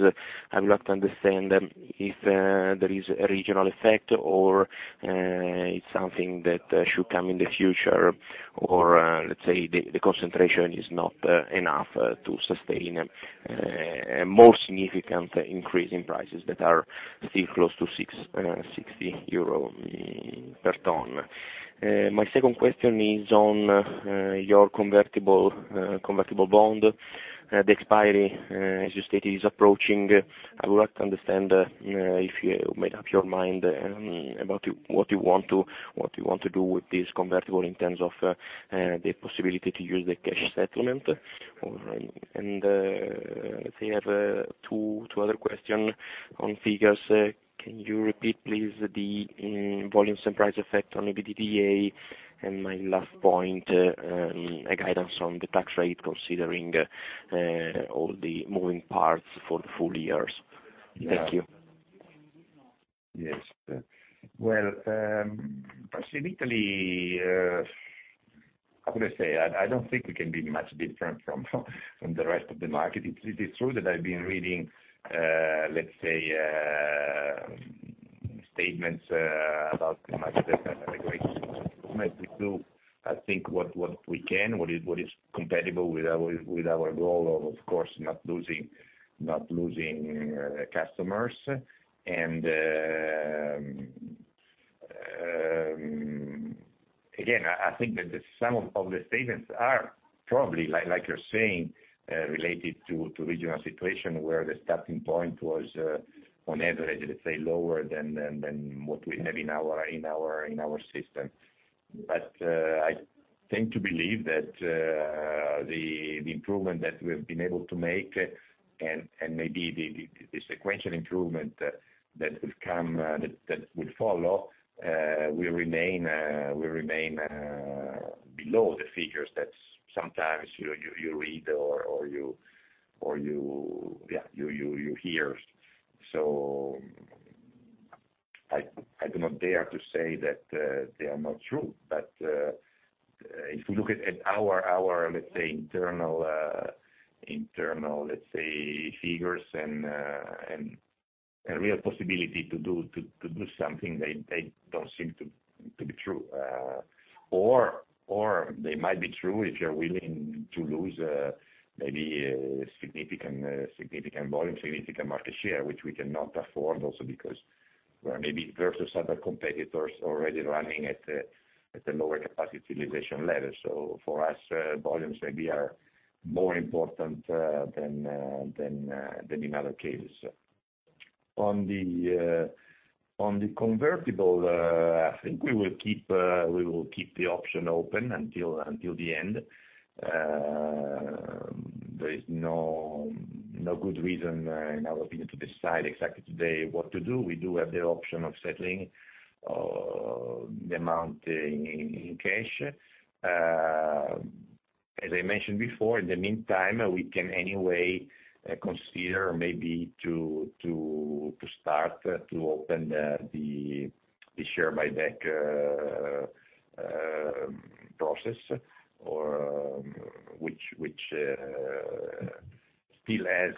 I would like to understand if there is a regional effect, or it's something that should come in the future, or let's say, the concentration is not enough to sustain a more significant increase in prices that are still close to 60 euro per ton. My second question is on your convertible bond. The expiry, as you stated, is approaching. I would like to understand if you made up your mind about what you want to do with this convertible in terms of the possibility to use the cash settlement. Let's say I have two other questions on figures. Can you repeat, please, the volumes and price effect on EBITDA? My last point, a guidance on the tax rate, considering all the moving parts for the full years. Thank you. Yes. Well, firstly, Italy, how could I say? I don't think we can be much different from the rest of the market. It's true that I've been reading, let's say, statements about the market that have been great. We do, I think, what we can, what is compatible with our goal of course, not losing customers. Again, I think that some of the statements are probably, like you're saying, related to regional situation where the starting point was, on average, let's say, lower than what we have in our system. I think to believe that the improvement that we have been able to make, and maybe the sequential improvement that will follow, will remain below the figures that sometimes you read or you hear. I do not dare to say that they are not true. If you look at our, let's say, internal figures and real possibility to do something, they don't seem to be true. They might be true if you're willing to lose maybe a significant volume, significant market share, which we cannot afford also because we are maybe versus other competitors already running at a lower capacity utilization level. For us, volumes maybe are more important than in other cases. On the convertible, I think we will keep the option open until the end. There is no good reason, in our opinion, to decide exactly today what to do. We do have the option of settling the amount in cash. As I mentioned before, in the meantime, we can anyway consider maybe to start to open the share buyback process, which, as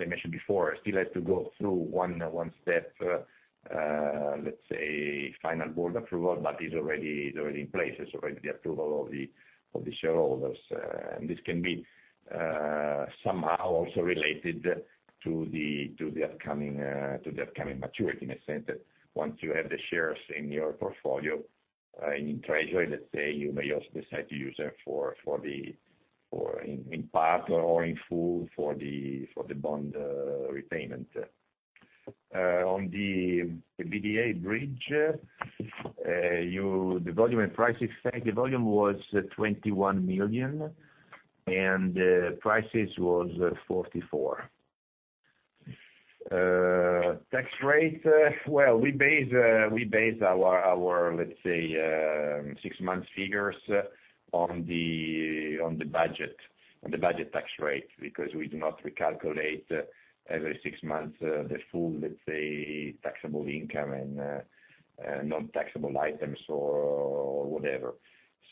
I mentioned before, still has to go through one step, let's say, final board approval, but is already in place. It's already the approval of the shareholders. This can be somehow also related to the upcoming maturity in a sense that once you have the shares in your portfolio, in treasury, let's say, you may also decide to use them in part or in full for the bond repayment. On the EBITDA bridge, the volume and price effect. The volume was 21 million, and the prices was 44 million. Tax rate. Well, we base our, let's say, six months figures on the budget tax rate, because we do not recalculate every six months the full, let's say, taxable income and non-taxable items or whatever.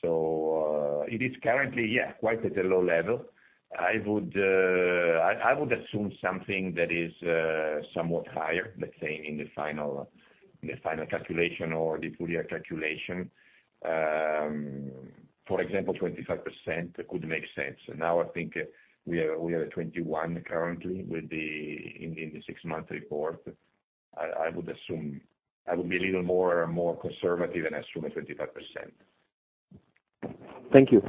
It is currently, quite at a low level. I would assume something that is somewhat higher, let's say, in the final calculation or the full year calculation. For example, 25% could make sense. Now, I think we are at 21% currently in the six-month report. I would be a little more conservative and assume at 25%. Thank you.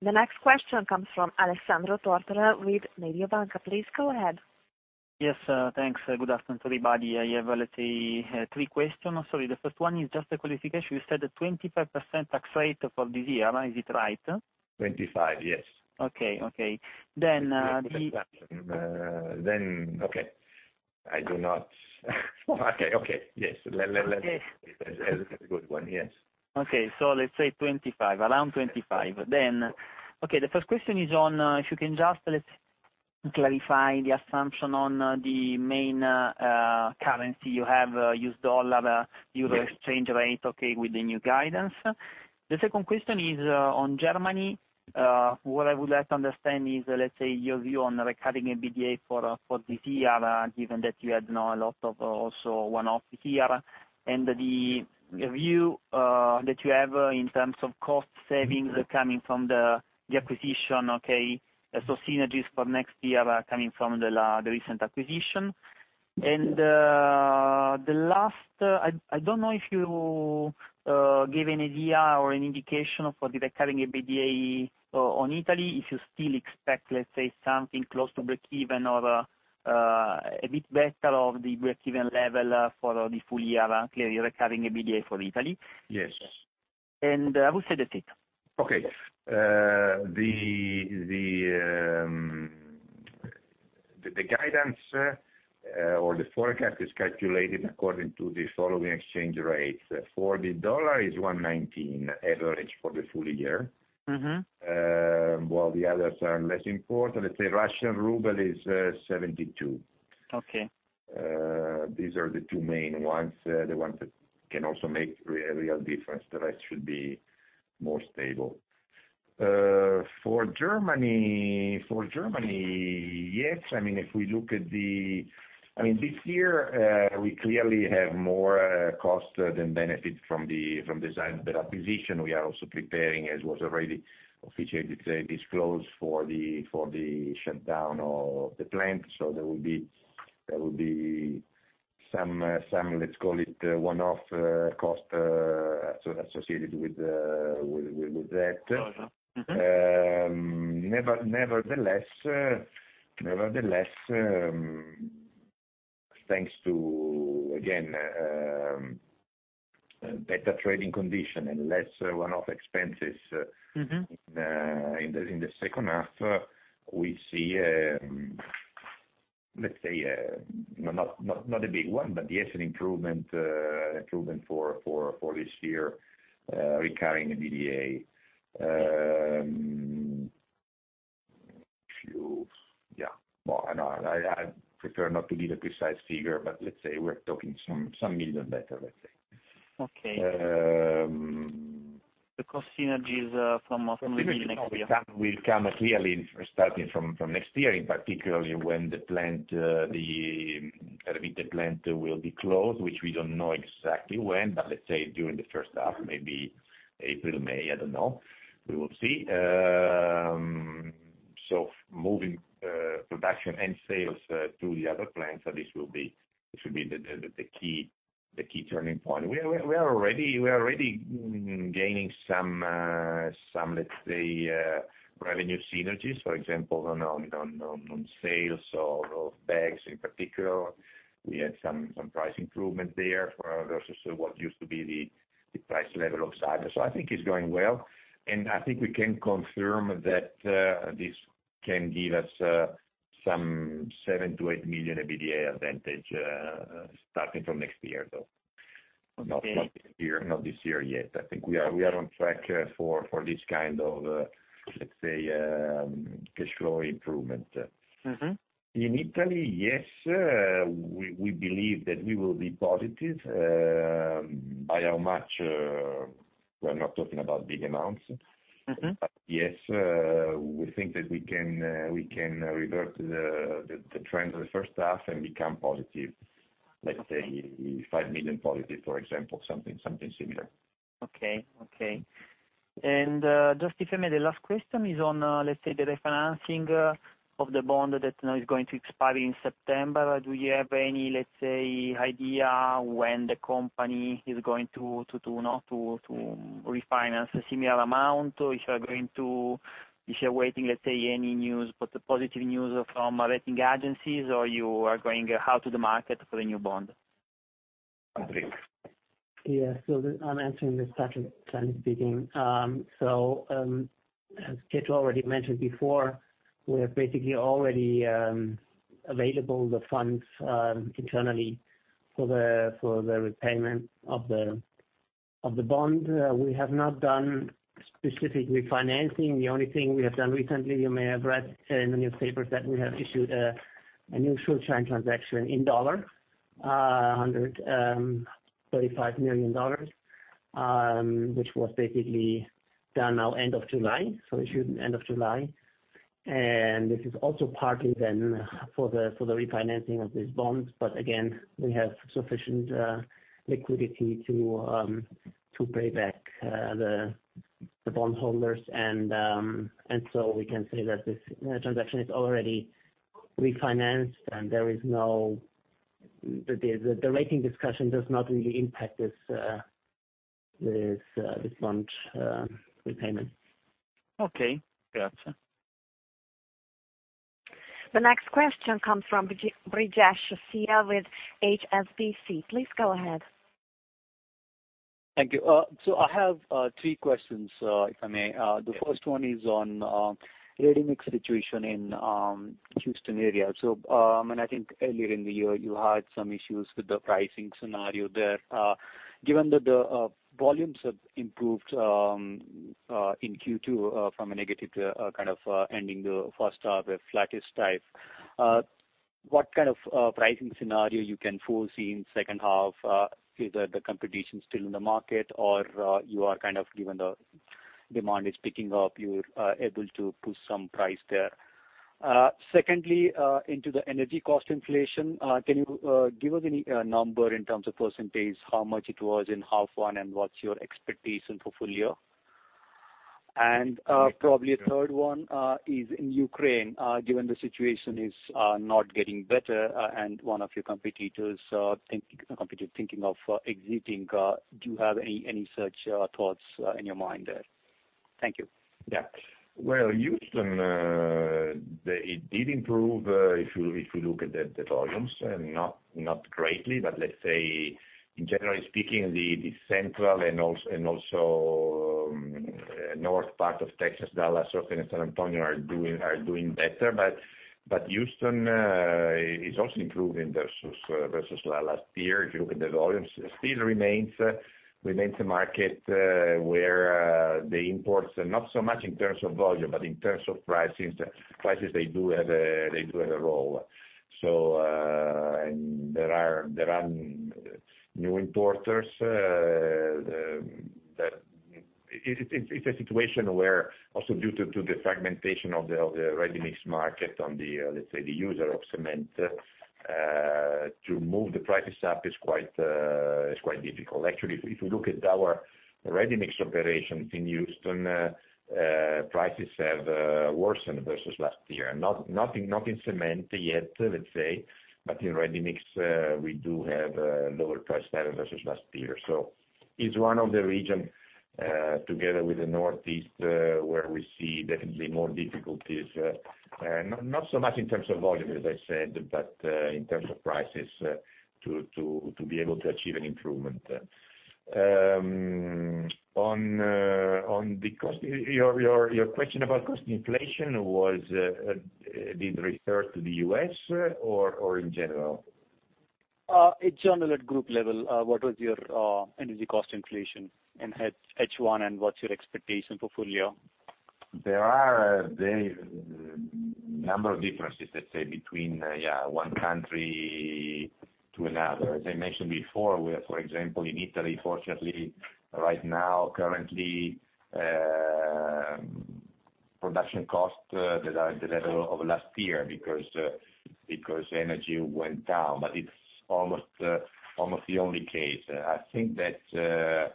The next question comes from Alessandro Tortora with Mediobanca. Please go ahead. Yes, thanks. Good afternoon, everybody. I have, let's say, three questions. Sorry. The first one is just a clarification. You said a 25% tax rate for this year. Is it right? 25. Yes. Okay. Okay. Okay. Yes. That's a good one. Yes. Let's say 25. Around 25. Okay, the first question is on, if you can just, let's clarify the assumption on the main currency you have. U.S. dollar, euro exchange rate, okay, with the new guidance. The second question is on Germany. What I would like to understand is, let's say, your view on recurring EBITDA for this year, given that you had now a lot of also one-off here, and the view that you have in terms of cost savings coming from the acquisition, okay? Synergies for next year are coming from the recent acquisition. The last, I don't know if you give an idea or an indication for the recurring EBITDA on Italy, if you still expect, let's say, something close to breakeven or a bit better of the breakeven level for the full year, clearly recurring EBITDA for Italy. Yes. I would say that's it. The guidance or the forecast is calculated according to the following exchange rates. For the U.S. dollar is 119 average for the full year. While the others are less important, let's say 72 Russian ruble. Okay. These are the two main ones, the ones that can also make real difference. The rest should be more stable. For Germany, yes, if we look at this year, we clearly have more cost than benefit from Seibel acquisition. We are also preparing, as was already officially disclosed, for the shutdown of the plant. There will be some, let's call it, one-off cost associated with that. Got you. Nevertheless, thanks to, again, better trading condition and less one-off expenses. In the second half, we see, let's say, not a big one, but yes, an improvement for this year recurring EBITDA. Yeah. Well, I know I prefer not to give a precise figure, but let's say we're talking some million better. Okay. The cost synergies from Italy next year. We've come clearly starting from next year, in particular when the Erwitte plant will be closed, which we don't know exactly when, but let's say during the first half, maybe April, May, I don't know. We will see. Moving production and sales to the other plants, this will be the key turning point. We are already gaining some, let's say, revenue synergies, for example, on sales or bags in particular. We had some price improvement there versus what used to be the price level of Sacci. I think it's going well, and I think we can confirm that this can give us some 7 million-8 million EBITDA advantage, starting from next year, though. Okay. Not this year yet. I think we are on track for this kind of, let's say, cash flow improvement. In Italy, yes, we believe that we will be positive. By how much? We are not talking about big amounts. Yes, we think that we can revert the trend of the first half and become positive. Let's say 5 million positive, for example, something similar. Okay. Just if I may, the last question is on, let's say, the refinancing of the bond that now is going to expire in September. Do you have any, let's say, idea when the company is going to refinance a similar amount? If you are waiting, let's say, any positive news from rating agencies, or you are going out to the market for the new bond? Patrick. Yeah. I'm answering this, Patrick. Danny speaking. As Pietro already mentioned before, we have basically already available the funds internally for the repayment of the bond. We have not done specific refinancing. The only thing we have done recently, you may have read in the newspapers that we have issued a new short-term transaction in dollar, $135 million, which was basically done now end of July. Issued end of July, and this is also partly then for the refinancing of this bond. Again, we have sufficient liquidity to pay back the bondholders, and so we can say that this transaction is already refinanced, and the rating discussion does not really impact this launch repayment. Okay, got you. The next question comes from Brijesh Sia with HSBC. Please go ahead. Thank you. I have three questions, if I may. Yes. The first one is on ready-mix situation in Houston area. I think earlier in the year, you had some issues with the pricing scenario there. Given that the volumes have improved in Q2 from a negative to a kind of ending the first half, a flattish type. What kind of pricing scenario you can foresee in second half? Is the competition still in the market, or you are kind of given the demand is picking up, you are able to push some price there. Into the energy cost inflation, can you give us any number in terms of percentage, how much it was in half one, and what's your expectation for full year? Probably a third one, is in Ukraine, given the situation is not getting better, and one of your competitors thinking of exiting, do you have any such thoughts in your mind there? Thank you. Well, Houston, it did improve, if you look at the volumes, not greatly, but let's say, generally speaking, the central and also north part of Texas, Dallas, Houston, and San Antonio are doing better. Houston is also improving versus last year. If you look at the volumes, it still remains a market where the imports are not so much in terms of volume, but in terms of prices, they do have a role. There are new importers. It's a situation where also due to the fragmentation of the ready-mix market on the, let's say, the user of cement, to move the prices up is quite difficult. Actually, if you look at our ready-mix operations in Houston, prices have worsened versus last year. Not in cement yet, let's say, but in ready-mix, we do have a lower price level versus last year. It's one of the region, together with the Northeast, where we see definitely more difficulties. Not so much in terms of volume, as I said, but in terms of prices to be able to achieve an improvement. On the cost, your question about cost inflation did refer to the U.S. or in general? In general, at group level, what was your energy cost inflation in H1, and what's your expectation for full year? There are a number of differences, let's say, between one country to another. As I mentioned before, we are, for example, in Italy, fortunately, right now, currently, production costs that are at the level of last year because energy went down. It's almost the only case. I think that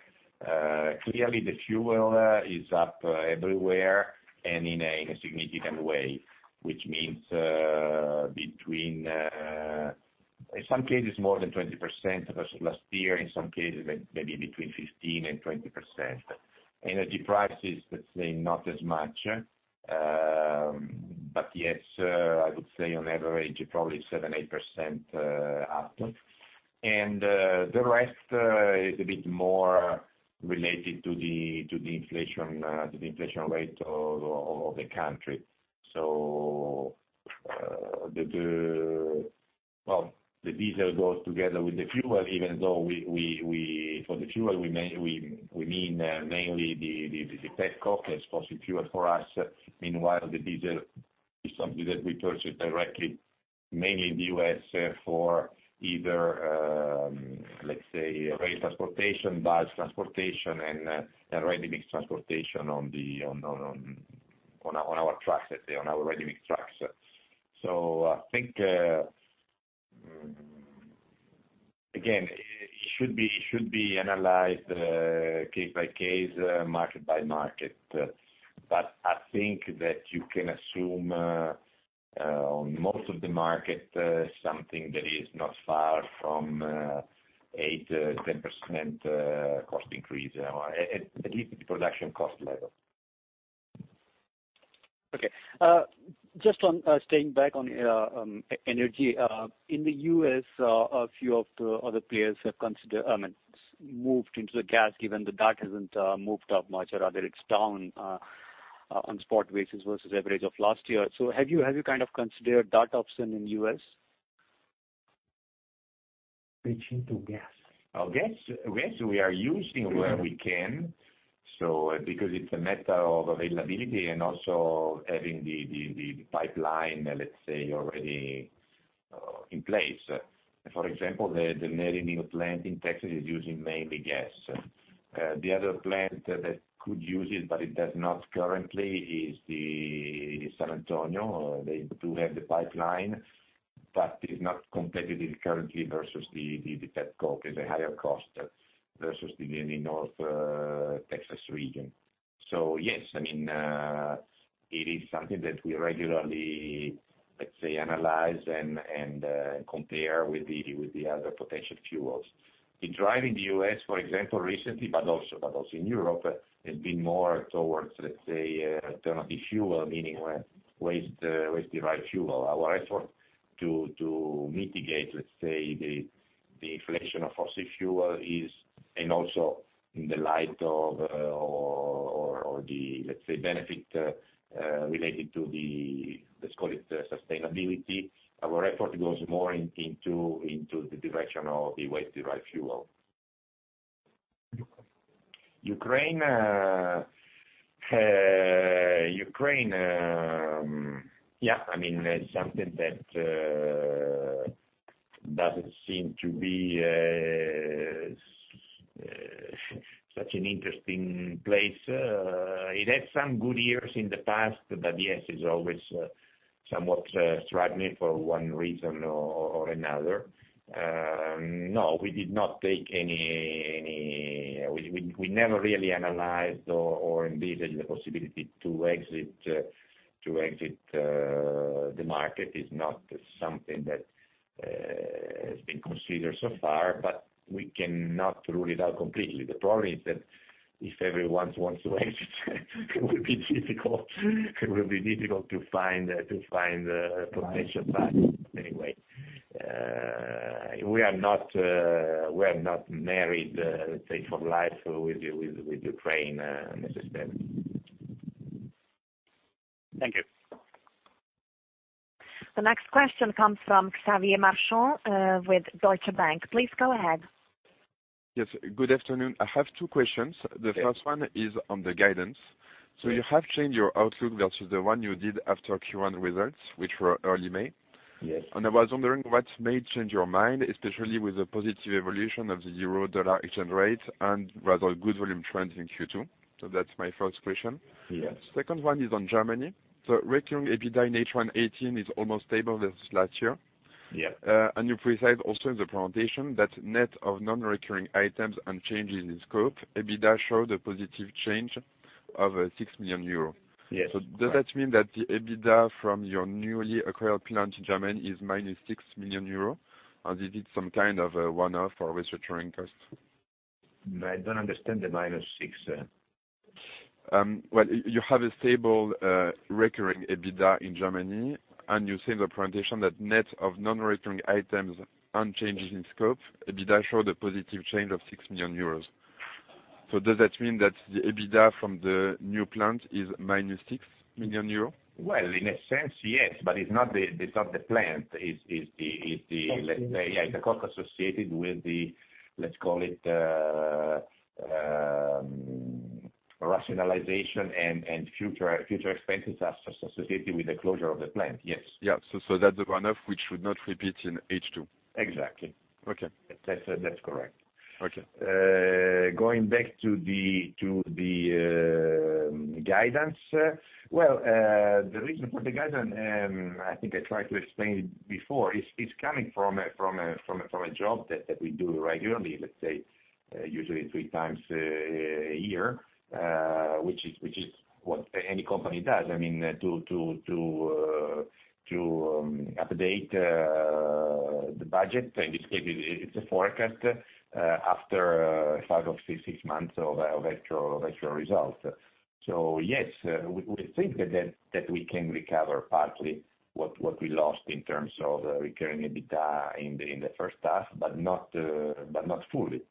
clearly the fuel is up everywhere and in a significant way, which means in some cases more than 20% versus last year, in some cases, maybe between 15% and 20%. Energy prices, let's say, not as much. Yes, I would say on average, probably 7%, 8% up. The rest is a bit more related to the inflation rate of the country. The diesel goes together with the fuel, even though for the fuel, we mean mainly the petcoke as fossil fuel for us. Meanwhile, the diesel is something that we purchase directly, mainly in the U.S. for either, let's say, rail transportation, bus transportation, and ready-mix transportation on our ready-mix trucks. I think, again, it should be analyzed case by case, market by market. I think that you can assume on most of the market, something that is not far from 8% to 10% cost increase, at least at the production cost level. Okay. Just staying back on energy. In the U.S., a few of the other players have moved into the gas, given that that hasn't moved up much, or rather it's down on a spot basis versus average of last year. Have you kind of considered that option in the U.S.? Switching to gas. Gas, we are using where we can, because it's a matter of availability and also having the pipeline, let's say, already in place. For example, the Maryneal plant in Texas is using mainly gas. The other plant that could use it, but it does not currently, is the San Antonio. They do have the pipeline, but it is not competitive currently versus the petcoke. It's a higher cost versus the North Texas region. Yes, it is something that we regularly, let's say, analyze and compare with the other potential fuels. The drive in the U.S., for example, recently, but also in Europe, has been more towards, let's say, alternative fuel, meaning waste-derived fuel. Our effort to mitigate, let's say, the inflation of fossil fuel, and also in the light of the, let's call it, sustainability. Our effort goes more into the direction of the waste-derived fuel. Ukraine. It's something that doesn't seem to be such an interesting place. It had some good years in the past, but yes, it's always somewhat struggling for one reason or another. No, we never really analyzed or envisaged the possibility to exit the market. It's not something that has been considered so far, but we cannot rule it out completely. The problem is that if everyone wants to exit, it will be difficult to find a potential buyer. Anyway, we are not married, let's say, for life with Ukraine, necessarily. Thank you. The next question comes from Xavier Marchand with Deutsche Bank. Please go ahead. Good afternoon. I have two questions. Okay. The first one is on the guidance. Yes. You have changed your outlook versus the one you did after Q1 results, which were early May. Yes. I was wondering what may change your mind, especially with the positive evolution of the euro-dollar exchange rate and rather good volume trends in Q2. That's my first question. Yes. Second one is on Germany. Recurring EBITDA in H1 2018 is almost stable versus last year. Yes. You precise also in the presentation that net of non-recurring items and changes in scope, EBITDA showed a positive change of 6 million euros. Yes. Does that mean that the EBITDA from your newly acquired plant in Germany is minus 6 million euros, or this is some kind of a one-off or restructuring cost? No, I don't understand the minus 6. Well, you have a stable recurring EBITDA in Germany, and you say in the presentation that net of non-recurring items and changes in scope, EBITDA showed a positive change of 6 million euros. Does that mean that the EBITDA from the new plant is minus 6 million euros? Well, in a sense, yes, but it's not the plant. It's the cost associated with the, let's call it, rationalization and future expenses associated with the closure of the plant. Yes. That's a one-off, which should not repeat in H2. Exactly. Okay. That's correct. Okay. Going back to the guidance. Well, the reason for the guidance, I think I tried to explain it before, it is coming from a job that we do regularly. Let's say, usually three times a year, which is what any company does. I mean, to update the budget, and in this case, it is a forecast, after five or six months of actual results. Yes, we think that we can recover partly what we lost in terms of recurring EBITDA in the first half, but not fully.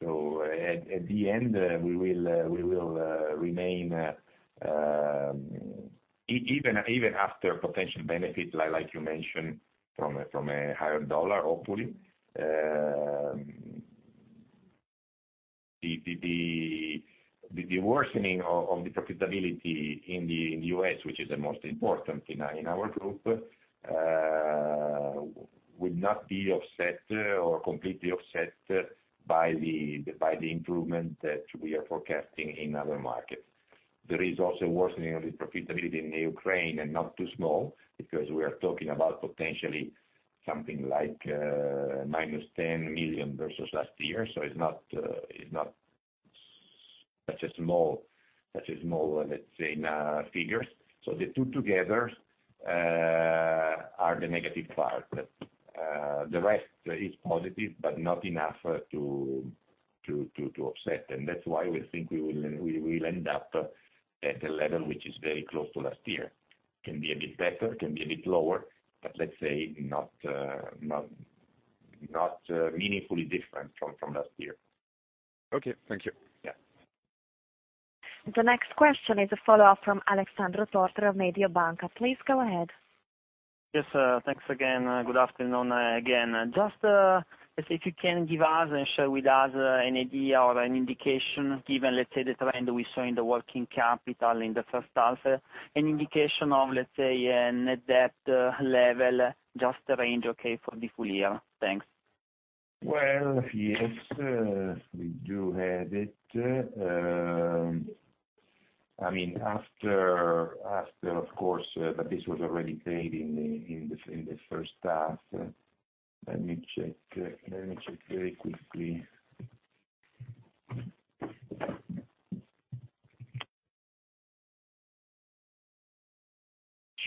At the end, we will remain even after potential benefit, like you mentioned, from a higher dollar, hopefully. The worsening of the profitability in the U.S., which is the most important in our group, will not be offset or completely offset by the improvement that we are forecasting in other markets. There is also worsening of the profitability in Ukraine, not too small, because we are talking about potentially something like, minus 10 million versus last year. It is not such a small, let's say, figures. The two together are the negative part. The rest is positive, but not enough to offset. That is why we think we will end up at a level which is very close to last year. Can be a bit better, can be a bit lower, but let's say not meaningfully different from last year. Okay. Thank you. Yeah. The next question is a follow-up from Alessandro Tortora of Mediobanca. Please go ahead. Yes, thanks again. Good afternoon again. If you can give us and share with us an idea or an indication, given the trend we saw in the working capital in the first half, an indication of a net debt level, just a range, okay, for the full year. Thanks. Well, yes. We do have it. After, of course, this was already paid in the first half. Let me check very quickly.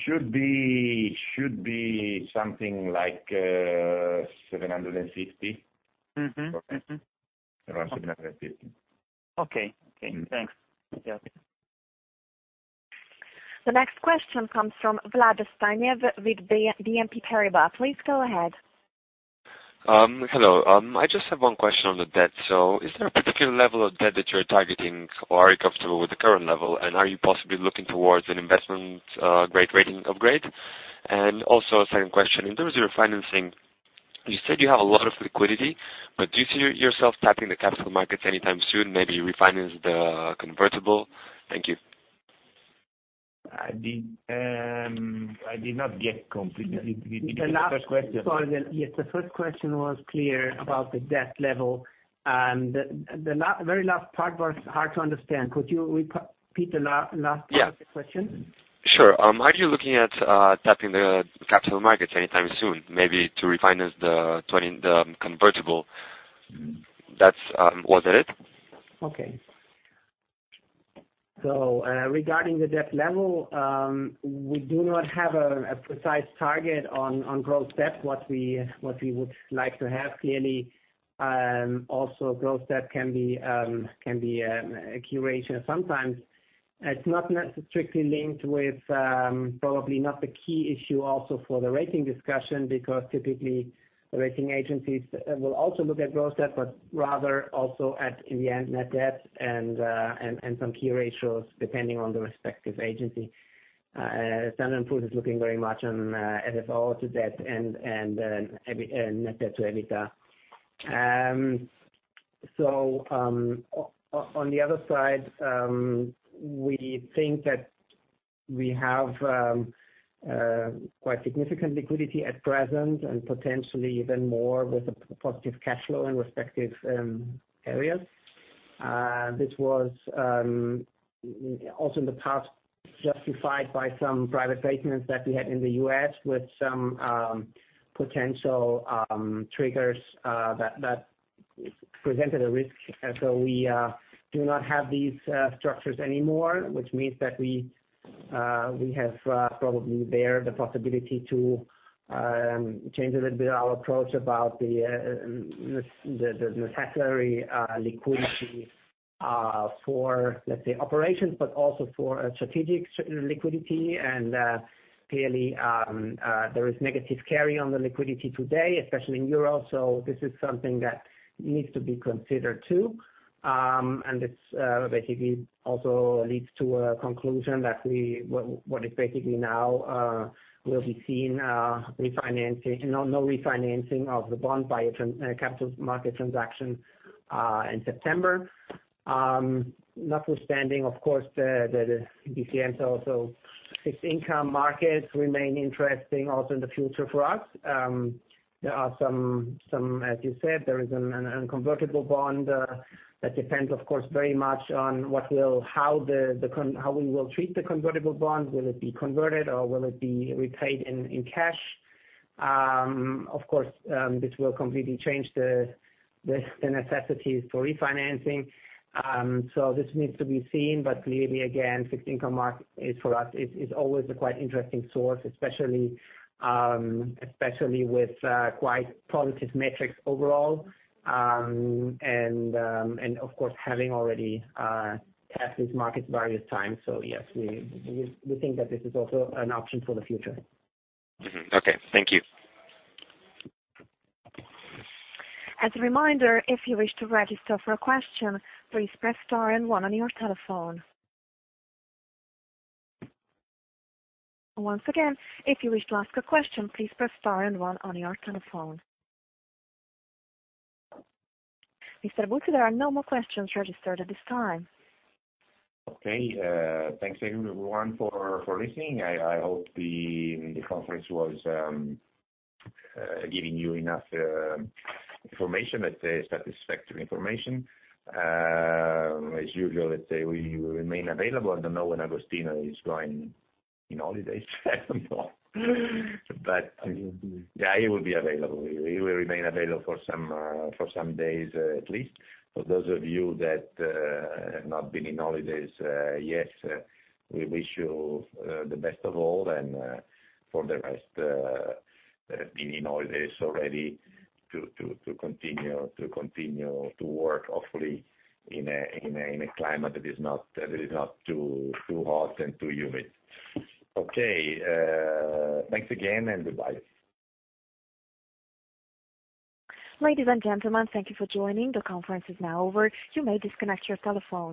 Should be something like 750. Around 750. Okay. Thanks. Yeah. The next question comes from Vladislav Stanev with BNP Paribas. Please go ahead. Hello. I just have one question on the debt. Is there a particular level of debt that you're targeting, or are you comfortable with the current level, and are you possibly looking towards an investment grade rating upgrade? Also a second question, in terms of your financing, you said you have a lot of liquidity, but do you see yourself tapping the capital markets anytime soon, maybe refinance the convertible? Thank you. I did not get completely the first question. Sorry. Yes, the first question was clear about the debt level. The very last part was hard to understand. Could you repeat the last part of the question? Yeah. Sure. Are you looking at tapping the capital markets anytime soon, maybe to refinance the convertible? Was that it? Okay. Regarding the debt level, we do not have a precise target on gross debt, what we would like to have clearly. Also, gross debt can be an aberration sometimes. It's not strictly linked with, probably not the key issue also for the rating discussion, because typically, the rating agencies will also look at gross debt, but rather also at, in the end, net debt and some key ratios depending on the respective agency. Standard & Poor's is looking very much on FFO to debt and, net debt to EBITDA. On the other side, we think that we have quite significant liquidity at present, and potentially even more with a positive cash flow in respective areas. This was also in the past justified by some private placements that we had in the U.S. with some potential triggers that presented a risk. We do not have these structures anymore, which means that we have probably there the possibility to change a little bit our approach about the necessary liquidity For, let's say, operations, but also for strategic liquidity. Clearly, there is negative carry on the liquidity today, especially in EUR. This is something that needs to be considered, too. It basically also leads to a conclusion that what is basically now will be seen, no refinancing of the bond by a capital market transaction in September. Notwithstanding, of course, the DCM, fixed income markets remain interesting also in the future for us. There are some, as you said, there is a convertible bond that depends, of course, very much on how we will treat the convertible bond. Will it be converted or will it be repaid in cash? Of course, this will completely change the necessities for refinancing. This needs to be seen, but clearly, again, fixed income market for us is always a quite interesting source, especially with quite positive metrics overall. Having already tapped these markets various times. Yes, we think that this is also an option for the future. Mm-hmm. Okay. Thank you. As a reminder, if you wish to register for a question, please press star and one on your telephone. Once again, if you wish to ask a question, please press star and one on your telephone. Mr. Buzzi, there are no more questions registered at this time. Okay. Thanks everyone for listening. I hope the conference was giving you enough information, let's say satisfactory information. As usual, let's say we will remain available. I don't know when Agostino is going on holidays. I don't know. I will be. Yeah, he will be available. He will remain available for some days at least. For those of you that have not been on holidays yet, we wish you the best of all, and for the rest been in holidays already to continue to work awfully in a climate that is not too hot and too humid. Okay. Thanks again, and goodbye. Ladies and gentlemen, thank you for joining. The conference is now over. You may disconnect your telephones.